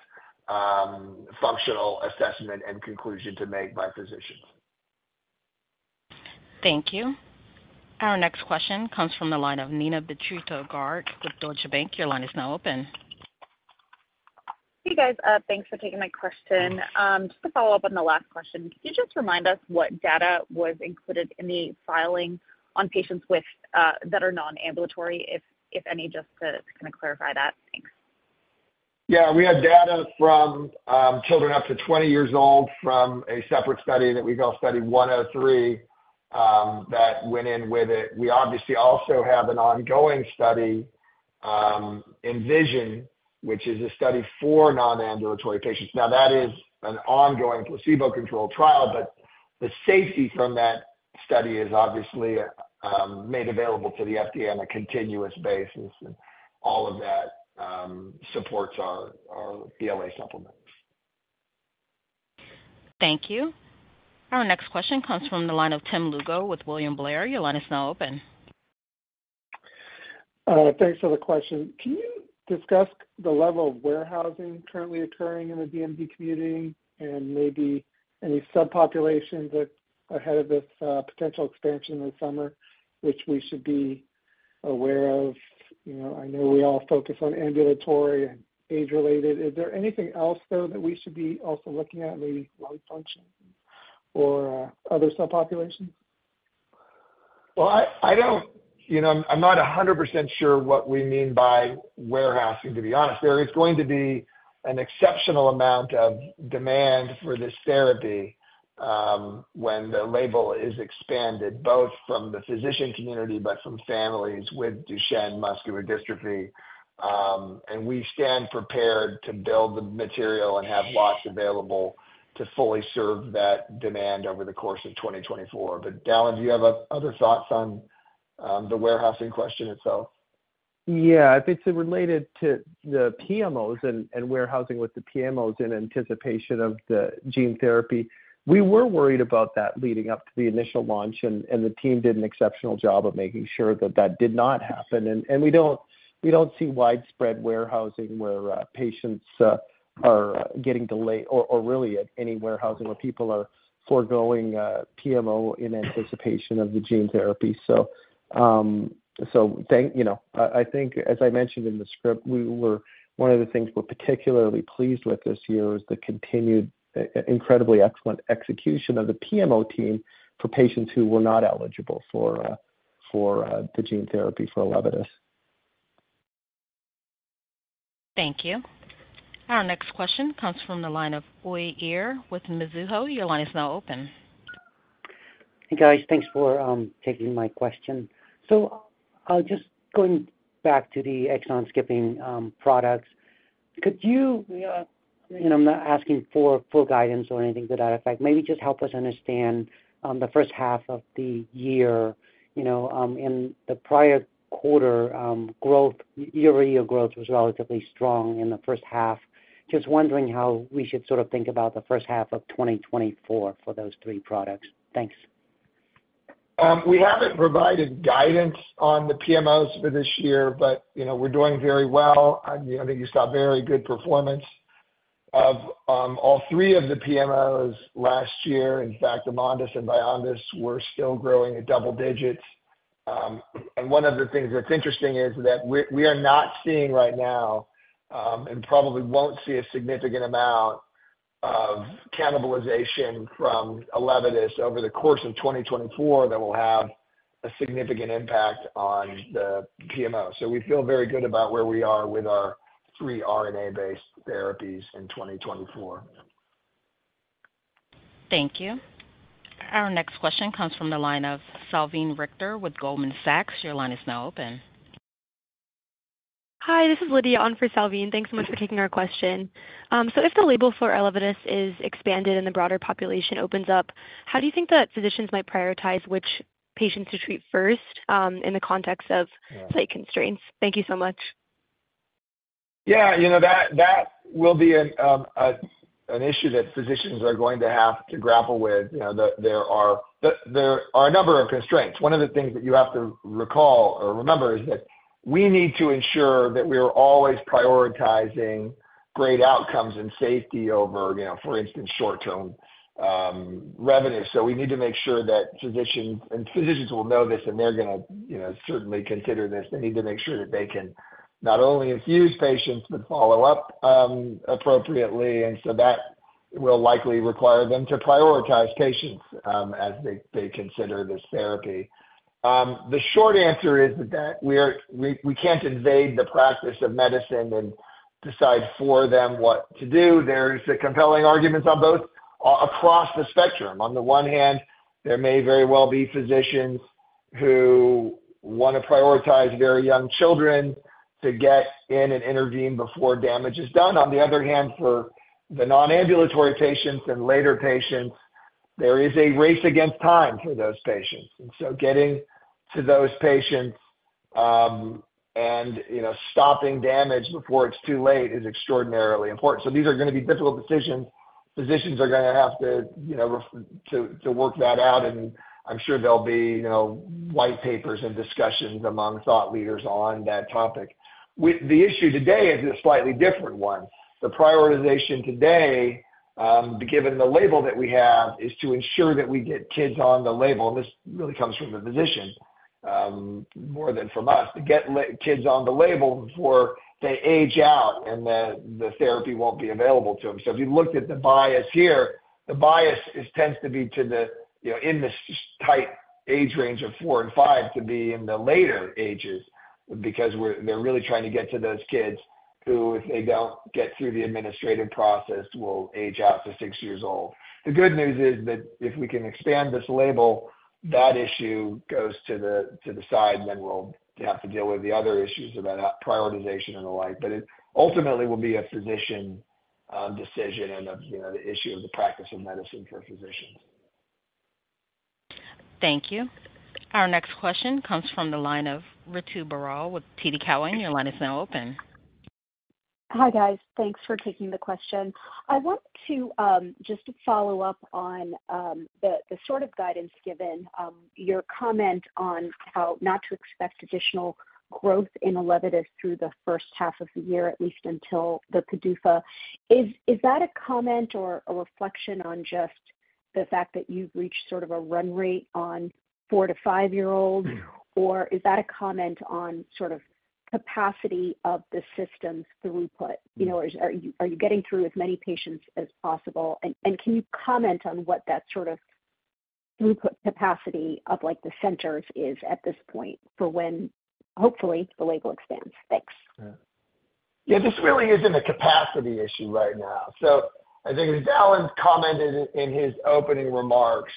functional assessment and conclusion to make by physicians. Thank you. Our next question comes from the line of Neena Bitritto-Garg with Deutsche Bank. Your line is now open. Hey, guys. Thanks for taking my question. Just to follow up on the last question, could you just remind us what data was included in the filing on patients that are non-ambulatory, if any, just to kind of clarify that? Thanks. Yeah. We have data from children up to 20 years old from a separate study that we call Study 103 that went in with it. We obviously also have an ongoing study, ENVISION, which is a study for non-ambulatory patients. Now, that is an ongoing placebo-controlled trial, but the safety from that study is obviously made available to the FDA on a continuous basis, and all of that supports our BLA supplements. Thank you. Our next question comes from the line of Tim Lugo with William Blair. Your line is now open. Thanks for the question. Can you discuss the level of warehousing currently occurring in the DMD community and maybe any subpopulations ahead of this potential expansion this summer, which we should be aware of? I know we all focus on ambulatory and age-related. Is there anything else, though, that we should be also looking at, maybe lung function or other subpopulations? Well, I'm not 100% sure what we mean by warehousing, to be honest. There is going to be an exceptional amount of demand for this therapy when the label is expanded, both from the physician community but from families with Duchenne muscular dystrophy. We stand prepared to build the material and have lots available to fully serve that demand over the course of 2024. But Dallan, do you have other thoughts on the warehousing question itself? Yeah. I think it's related to the PMOs and warehousing with the PMOs in anticipation of the gene therapy. We were worried about that leading up to the initial launch, and the team did an exceptional job of making sure that that did not happen. We don't see widespread warehousing where patients are getting delayed or really any warehousing where people are foregoing PMO in anticipation of the gene therapy. So I think, as I mentioned in the script, one of the things we're particularly pleased with this year is the incredibly excellent execution of the PMO team for patients who were not eligible for the gene therapy for ELEVIDYS. Thank you. Our next question comes from the line of Uy Ear with Mizuho. Your line is now open. Hey, guys. Thanks for taking my question. So I'll just go back to the exon-skipping products. Could you? I'm not asking for full guidance or anything to that effect. Maybe just help us understand the first half of the year. In the prior quarter, year-over-year growth was relatively strong in the first half. Just wondering how we should sort of think about the first half of 2024 for those three products. Thanks. We haven't provided guidance on the PMOs for this year, but we're doing very well. I think you saw very good performance of all three of the PMOs last year. In fact, AMONDYS and VYONDYS were still growing at double digits. And one of the things that's interesting is that we are not seeing right now and probably won't see a significant amount of cannibalization from ELEVIDYS over the course of 2024 that will have a significant impact on the PMO. So we feel very good about where we are with our three RNA-based therapies in 2024. Thank you. Our next question comes from the line of Salveen Richter with Goldman Sachs. Your line is now open. Hi. This is Lydia on for Salveen. Thanks so much for taking our question. So if the label for ELEVIDYS is expanded and the broader population opens up, how do you think that physicians might prioritize which patients to treat first in the context of site constraints? Thank you so much. Yeah. That will be an issue that physicians are going to have to grapple with. There are a number of constraints. One of the things that you have to recall or remember is that we need to ensure that we are always prioritizing great outcomes and safety over, for instance, short-term revenue. So we need to make sure that physicians and physicians will know this, and they're going to certainly consider this. They need to make sure that they can not only infuse patients but follow up appropriately. And so that will likely require them to prioritize patients as they consider this therapy. The short answer is that we can't invade the practice of medicine and decide for them what to do. There's compelling arguments on both across the spectrum. On the one hand, there may very well be physicians who want to prioritize very young children to get in and intervene before damage is done. On the other hand, for the non-ambulatory patients and later patients, there is a race against time for those patients. Getting to those patients and stopping damage before it's too late is extraordinarily important. These are going to be difficult decisions. Physicians are going to have to work that out, and I'm sure there'll be white papers and discussions among thought leaders on that topic. The issue today is a slightly different one. The prioritization today, given the label that we have, is to ensure that we get kids on the label. This really comes from the physician more than from us. To get kids on the label before they age out and the therapy won't be available to them. So if you looked at the bias here, the bias tends to be to the in this tight age range of four and five to be in the later ages because they're really trying to get to those kids who, if they don't get through the administrative process, will age out to six years old. The good news is that if we can expand this label, that issue goes to the side, and then we'll have to deal with the other issues about prioritization and the like. But it ultimately will be a physician decision and the issue of the practice of medicine for physicians. Thank you. Our next question comes from the line of Ritu Baral with TD Cowen. Your line is now open. Hi, guys. Thanks for taking the question. I want to just follow up on the sort of guidance given, your comment on how not to expect additional growth in ELEVIDYS through the first half of the year, at least until the PDUFA. Is that a comment or a reflection on just the fact that you've reached sort of a run rate on four to five-year-olds, or is that a comment on sort of capacity of the system's throughput? Are you getting through as many patients as possible? And can you comment on what that sort of throughput capacity of the centers is at this point for when, hopefully, the label expands? Thanks. Yeah. This really isn't a capacity issue right now. So I think, as Dallan commented in his opening remarks,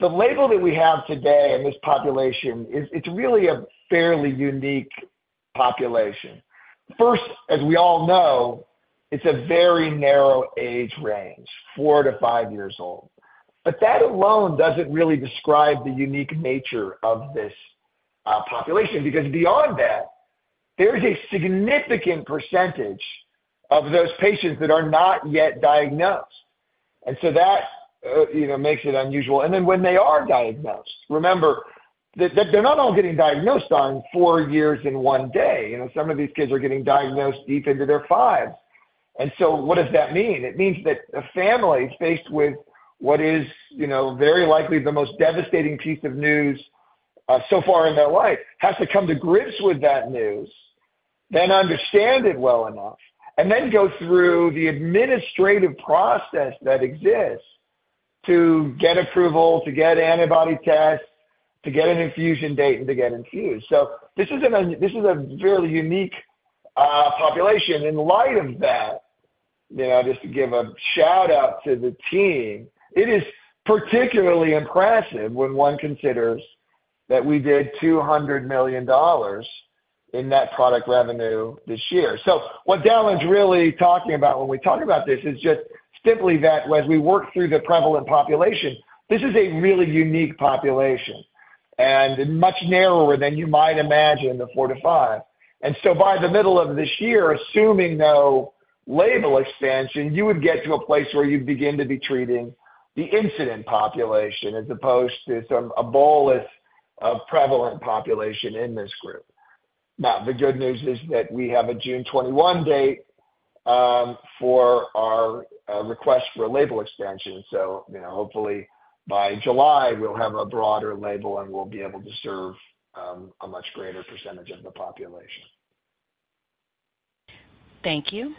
the label that we have today in this population, it's really a fairly unique population. First, as we all know, it's a very narrow age range, four to five years old. But that alone doesn't really describe the unique nature of this population because beyond that, there's a significant percentage of those patients that are not yet diagnosed. And so that makes it unusual. And then when they are diagnosed, remember that they're not all getting diagnosed on 4 years in one day. Some of these kids are getting diagnosed deep into their fives. And so what does that mean? It means that a family faced with what is very likely the most devastating piece of news so far in their life has to come to grips with that news, then understand it well enough, and then go through the administrative process that exists to get approval, to get antibody tests, to get an infusion date, and to get infused. So this is a fairly unique population. In light of that, just to give a shout-out to the team, it is particularly impressive when one considers that we did $200 million in net product revenue this year. So what Dallan's really talking about when we talk about this is just simply that as we work through the prevalent population, this is a really unique population and much narrower than you might imagine the four to five. So by the middle of this year, assuming no label expansion, you would get to a place where you'd begin to be treating the incident population as opposed to some subset of prevalent population in this group. Now, the good news is that we have a June 21 date for our request for label expansion. So hopefully, by July, we'll have a broader label, and we'll be able to serve a much greater percentage of the population. Thank you.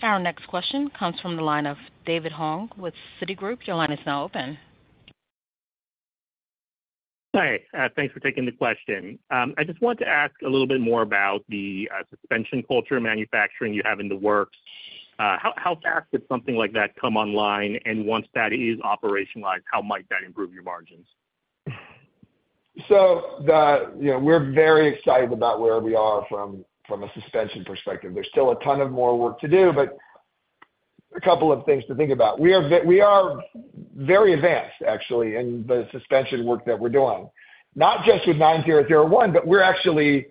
Our next question comes from the line of David Hoang with Citigroup. Your line is now open. Hi. Thanks for taking the question. I just want to ask a little bit more about the suspension culture manufacturing you have in the works. How fast could something like that come online? And once that is operationalized, how might that improve your margins? So we're very excited about where we are from a suspension perspective. There's still a ton of more work to do, but a couple of things to think about. We are very advanced, actually, in the suspension work that we're doing, not just with 9001, but we're actually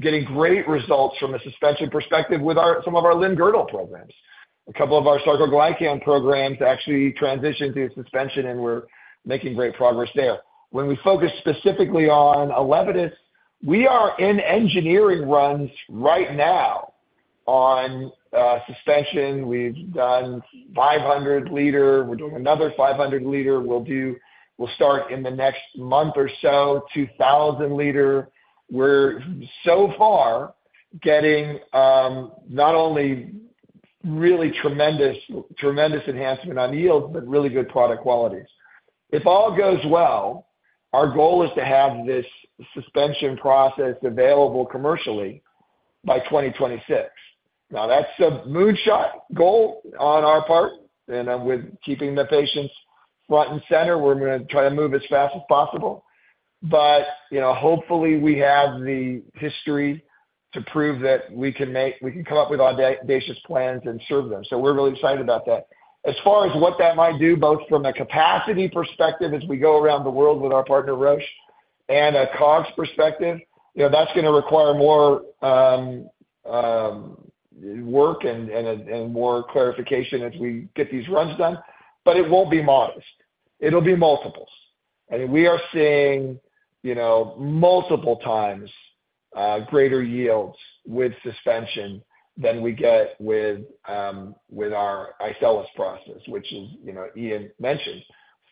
getting great results from a suspension perspective with some of our limb-girdle programs. A couple of our sarcoglycan programs actually transitioned to suspension, and we're making great progress there. When we focus specifically on ELEVIDYS, we are in engineering runs right now on suspension. We've done 500-liter. We're doing another 500-liter. We'll start in the next month or so, 2,000-liter. We're so far getting not only really tremendous enhancement on yields but really good product qualities. If all goes well, our goal is to have this suspension process available commercially by 2026. Now, that's a moonshot goal on our part. With keeping the patients front and center, we're going to try to move as fast as possible. But hopefully, we have the history to prove that we can come up with audacious plans and serve them. So we're really excited about that. As far as what that might do, both from a capacity perspective as we go around the world with our partner, Roche, and a cost perspective, that's going to require more work and more clarification as we get these runs done. But it won't be modest. It'll be multiples. I mean, we are seeing multiple times greater yields with suspension than we get with our adherent process, which, as Ian mentioned,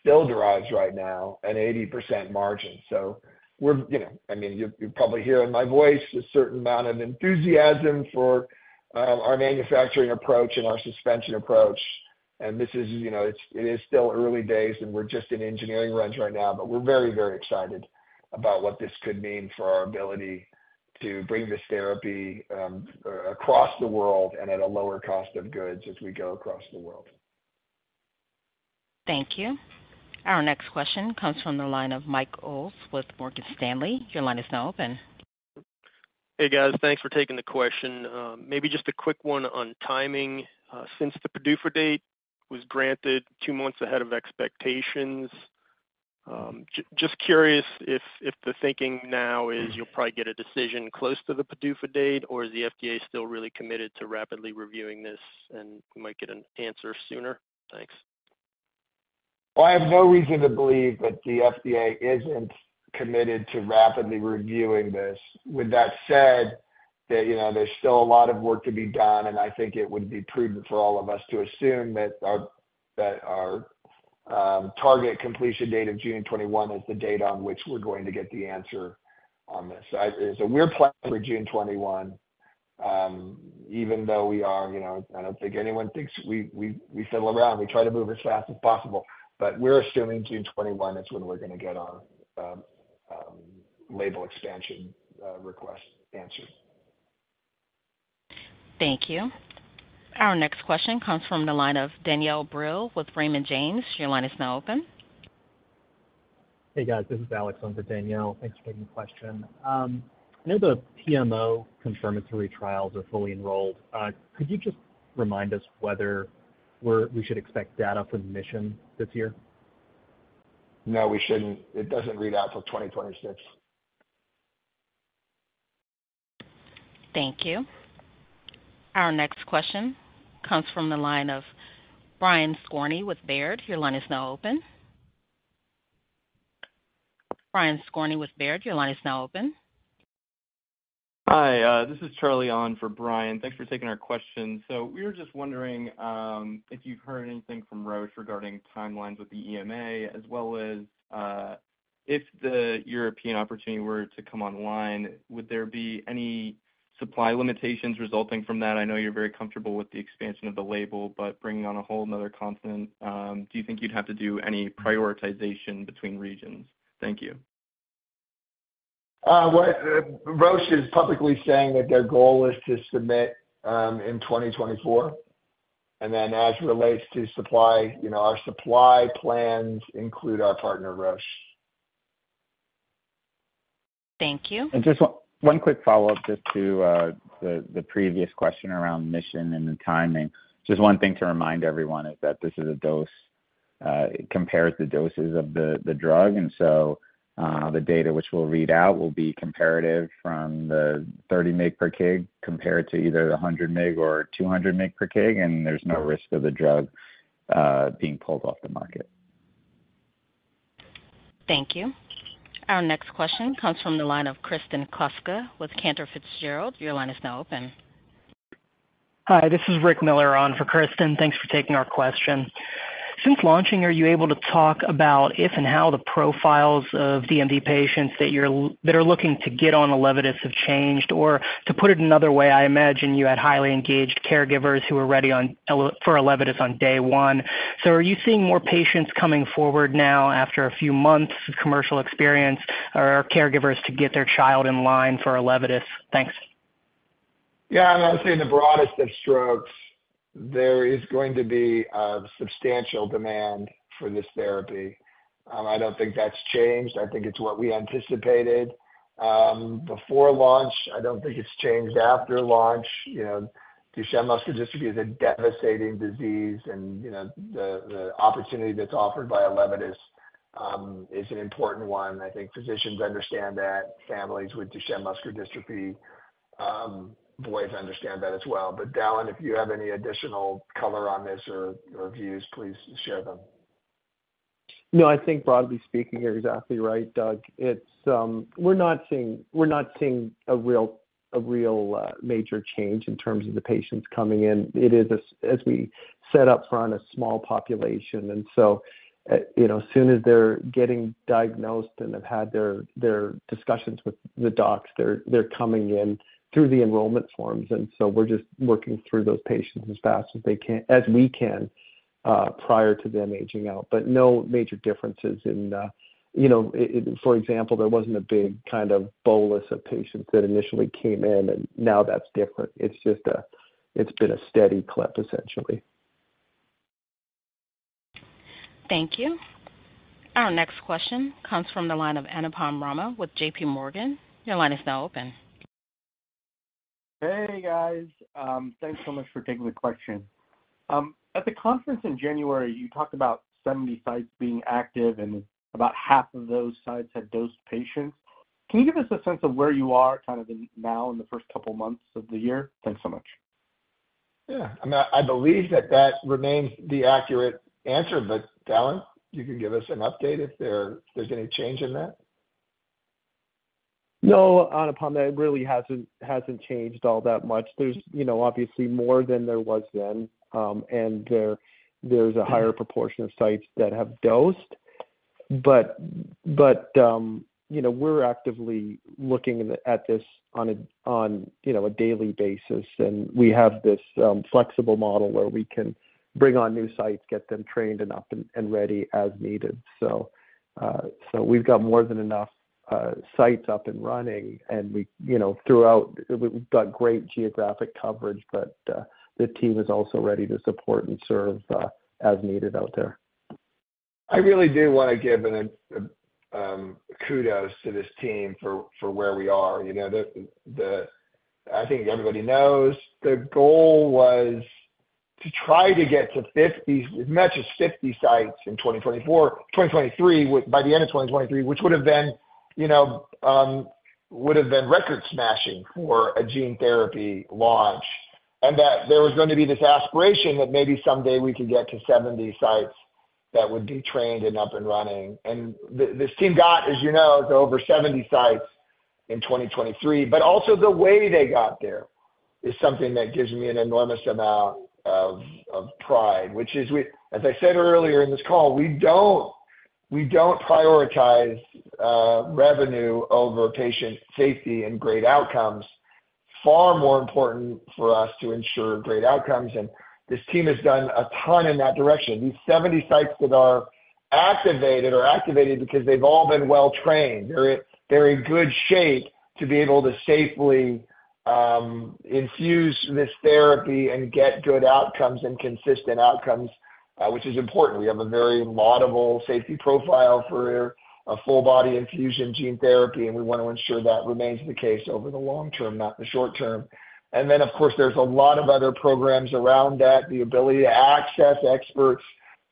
still derives right now an 80% margin. So I mean, you're probably hearing my voice, a certain amount of enthusiasm for our manufacturing approach and our suspension approach. It is still early days, and we're just in engineering runs right now. We're very, very excited about what this could mean for our ability to bring this therapy across the world and at a lower cost of goods as we go across the world. Thank you. Our next question comes from the line of Mike Ulz with Morgan Stanley. Your line is now open. Hey, guys. Thanks for taking the question. Maybe just a quick one on timing. Since the PDUFA date was granted two months ahead of expectations, just curious if the thinking now is you'll probably get a decision close to the PDUFA date, or is the FDA still really committed to rapidly reviewing this, and we might get an answer sooner? Thanks. Well, I have no reason to believe that the FDA isn't committed to rapidly reviewing this. With that said, there's still a lot of work to be done, and I think it would be prudent for all of us to assume that our target completion date of June 21 is the date on which we're going to get the answer on this. So we're planning for June 21, even though we are, I don't think anyone thinks we fiddle around. We try to move as fast as possible. But we're assuming June 21 is when we're going to get our label expansion request answered. Thank you. Our next question comes from the line of Danielle Brill with Raymond James. Your line is now open. Hey, guys. This is Alex. I'm for Danielle. Thanks for taking the question. I know the PMO confirmatory trials are fully enrolled. Could you just remind us whether we should expect data from the MIS51ON this year? No, we shouldn't. It doesn't read out till 2026. Thank you. Our next question comes from the line of Brian Skorney with Baird. Your line is now open. Brian Skorney with Baird. Your line is now open. Hi. This is Charlie on for Brian. Thanks for taking our questions. We were just wondering if you've heard anything from Roche regarding timelines with the EMA, as well as if the European opportunity were to come online, would there be any supply limitations resulting from that? I know you're very comfortable with the expansion of the label, but bringing on a whole another continent, do you think you'd have to do any prioritization between regions? Thank you. Roche is publicly saying that their goal is to submit in 2024. And then as relates to supply, our supply plans include our partner, Roche. Thank you. Just one quick follow-up just to the previous question around MIS51ON and the timing. Just one thing to remind everyone is that this is a dose compared to doses of the drug. So the data which we'll read out will be comparative from the 30 mg/kg compared to either the 100 mg/kg or 200 mg/kg, and there's no risk of the drug being pulled off the market. Thank you. Our next question comes from the line of Kristen Kluska with Cantor Fitzgerald. Your line is now open. Hi. This is Rick Miller on for Kristen. Thanks for taking our question. Since launching, are you able to talk about if and how the profiles of DMD patients that are looking to get on ELEVIDYS have changed? Or to put it another way, I imagine you had highly engaged caregivers who were ready for ELEVIDYS on day one. So are you seeing more patients coming forward now after a few months of commercial experience or caregivers to get their child in line for ELEVIDYS? Thanks. Yeah. I'm going to say in the broadest of strokes, there is going to be substantial demand for this therapy. I don't think that's changed. I think it's what we anticipated before launch. I don't think it's changed after launch. Duchenne muscular dystrophy is a devastating disease, and the opportunity that's offered by ELEVIDYS is an important one. I think physicians understand that. Families with Duchenne muscular dystrophy, boys, understand that as well. But Dallan, if you have any additional color on this or views, please share them. No, I think broadly speaking, you're exactly right, Doug. We're not seeing a real major change in terms of the patients coming in. It is, as we said upfront, a small population. And so as soon as they're getting diagnosed and have had their discussions with the docs, they're coming in through the enrollment forms. And so we're just working through those patients as fast as we can prior to them aging out. But no major differences in for example, there wasn't a big kind of bolus of patients that initially came in, and now that's different. It's been a steady clip, essentially. Thank you. Our next question comes from the line of Anupam Rama with JPMorgan. Your line is now open. Hey, guys. Thanks so much for taking the question. At the conference in January, you talked about 70 sites being active, and about half of those sites had dosed patients. Can you give us a sense of where you are kind of now in the first couple of months of the year? Thanks so much. Yeah. I mean, I believe that that remains the accurate answer. But Dallan, you can give us an update if there's any change in that. No, Anupam, that really hasn't changed all that much. There's obviously more than there was then, and there's a higher proportion of sites that have dosed. But we're actively looking at this on a daily basis, and we have this flexible model where we can bring on new sites, get them trained enough and ready as needed. So we've got more than enough sites up and running, and throughout, we've got great geographic coverage, but the team is also ready to support and serve as needed out there. I really do want to give kudos to this team for where we are. I think everybody knows the goal was to try to get to as much as 50 sites in 2024, 2023 by the end of 2023, which would have been record-smashing for a gene therapy launch, and that there was going to be this aspiration that maybe someday we could get to 70 sites that would be trained and up and running. And this team got, as you know, over 70 sites in 2023. But also the way they got there is something that gives me an enormous amount of pride, which is, as I said earlier in this call, we don't prioritize revenue over patient safety and great outcomes. Far more important for us to ensure great outcomes. And this team has done a ton in that direction. These 70 sites that are activated are activated because they've all been well-trained. They're in good shape to be able to safely infuse this therapy and get good outcomes and consistent outcomes, which is important. We have a very laudable safety profile for a full-body infusion gene therapy, and we want to ensure that remains the case over the long term, not the short term. And then, of course, there's a lot of other programs around that, the ability to access experts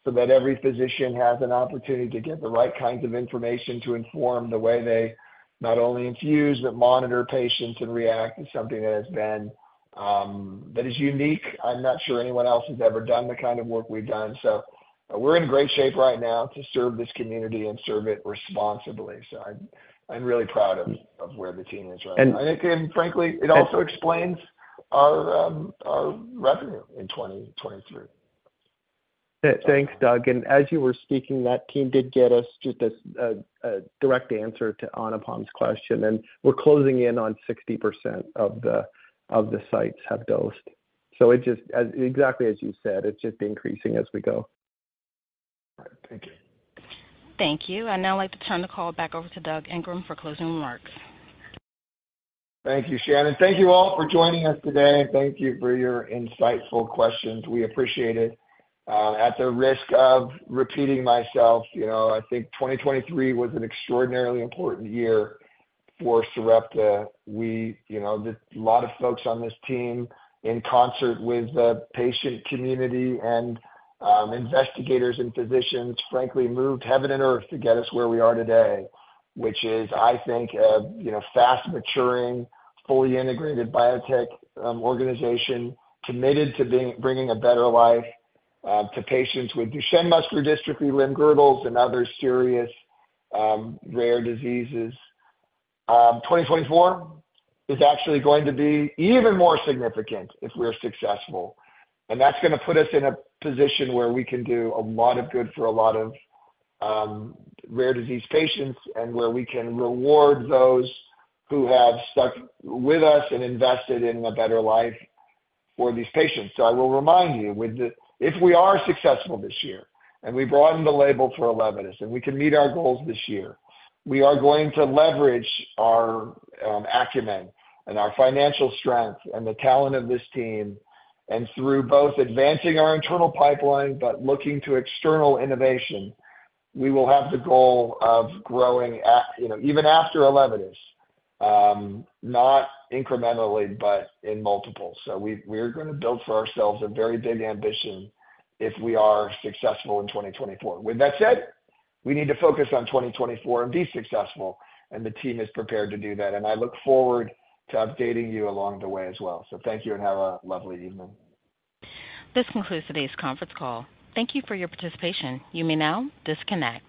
so that every physician has an opportunity to get the right kinds of information to inform the way they not only infuse but monitor patients and react is something that is unique. I'm not sure anyone else has ever done the kind of work we've done. So we're in great shape right now to serve this community and serve it responsibly. I'm really proud of where the team is right now. Frankly, it also explains our revenue in 2023. Thanks, Doug. And as you were speaking, that team did get us just a direct answer to Anupam's question. And we're closing in on 60% of the sites have dosed. So exactly as you said, it's just increasing as we go. All right. Thank you. Thank you. I now like to turn the call back over to Doug Ingram for closing remarks. Thank you, Shannon. Thank you all for joining us today, and thank you for your insightful questions. We appreciate it. At the risk of repeating myself, I think 2023 was an extraordinarily important year for Sarepta. A lot of folks on this team, in concert with the patient community and investigators and physicians, frankly, moved heaven and earth to get us where we are today, which is, I think, a fast-maturing, fully integrated biotech organization committed to bringing a better life to patients with Duchenne muscular dystrophy, limb-girdle, and other serious, rare diseases. 2024 is actually going to be even more significant if we're successful. That's going to put us in a position where we can do a lot of good for a lot of rare disease patients and where we can reward those who have stuck with us and invested in a better life for these patients. So I will remind you, if we are successful this year and we broaden the label for ELEVIDYS and we can meet our goals this year, we are going to leverage our acumen and our financial strength and the talent of this team. And through both advancing our internal pipeline but looking to external innovation, we will have the goal of growing even after ELEVIDYS, not incrementally, but in multiples. So we're going to build for ourselves a very big ambition if we are successful in 2024. With that said, we need to focus on 2024 and be successful, and the team is prepared to do that. And I look forward to updating you along the way as well. So thank you, and have a lovely evening. This concludes today's conference call. Thank you for your participation. You may now disconnect.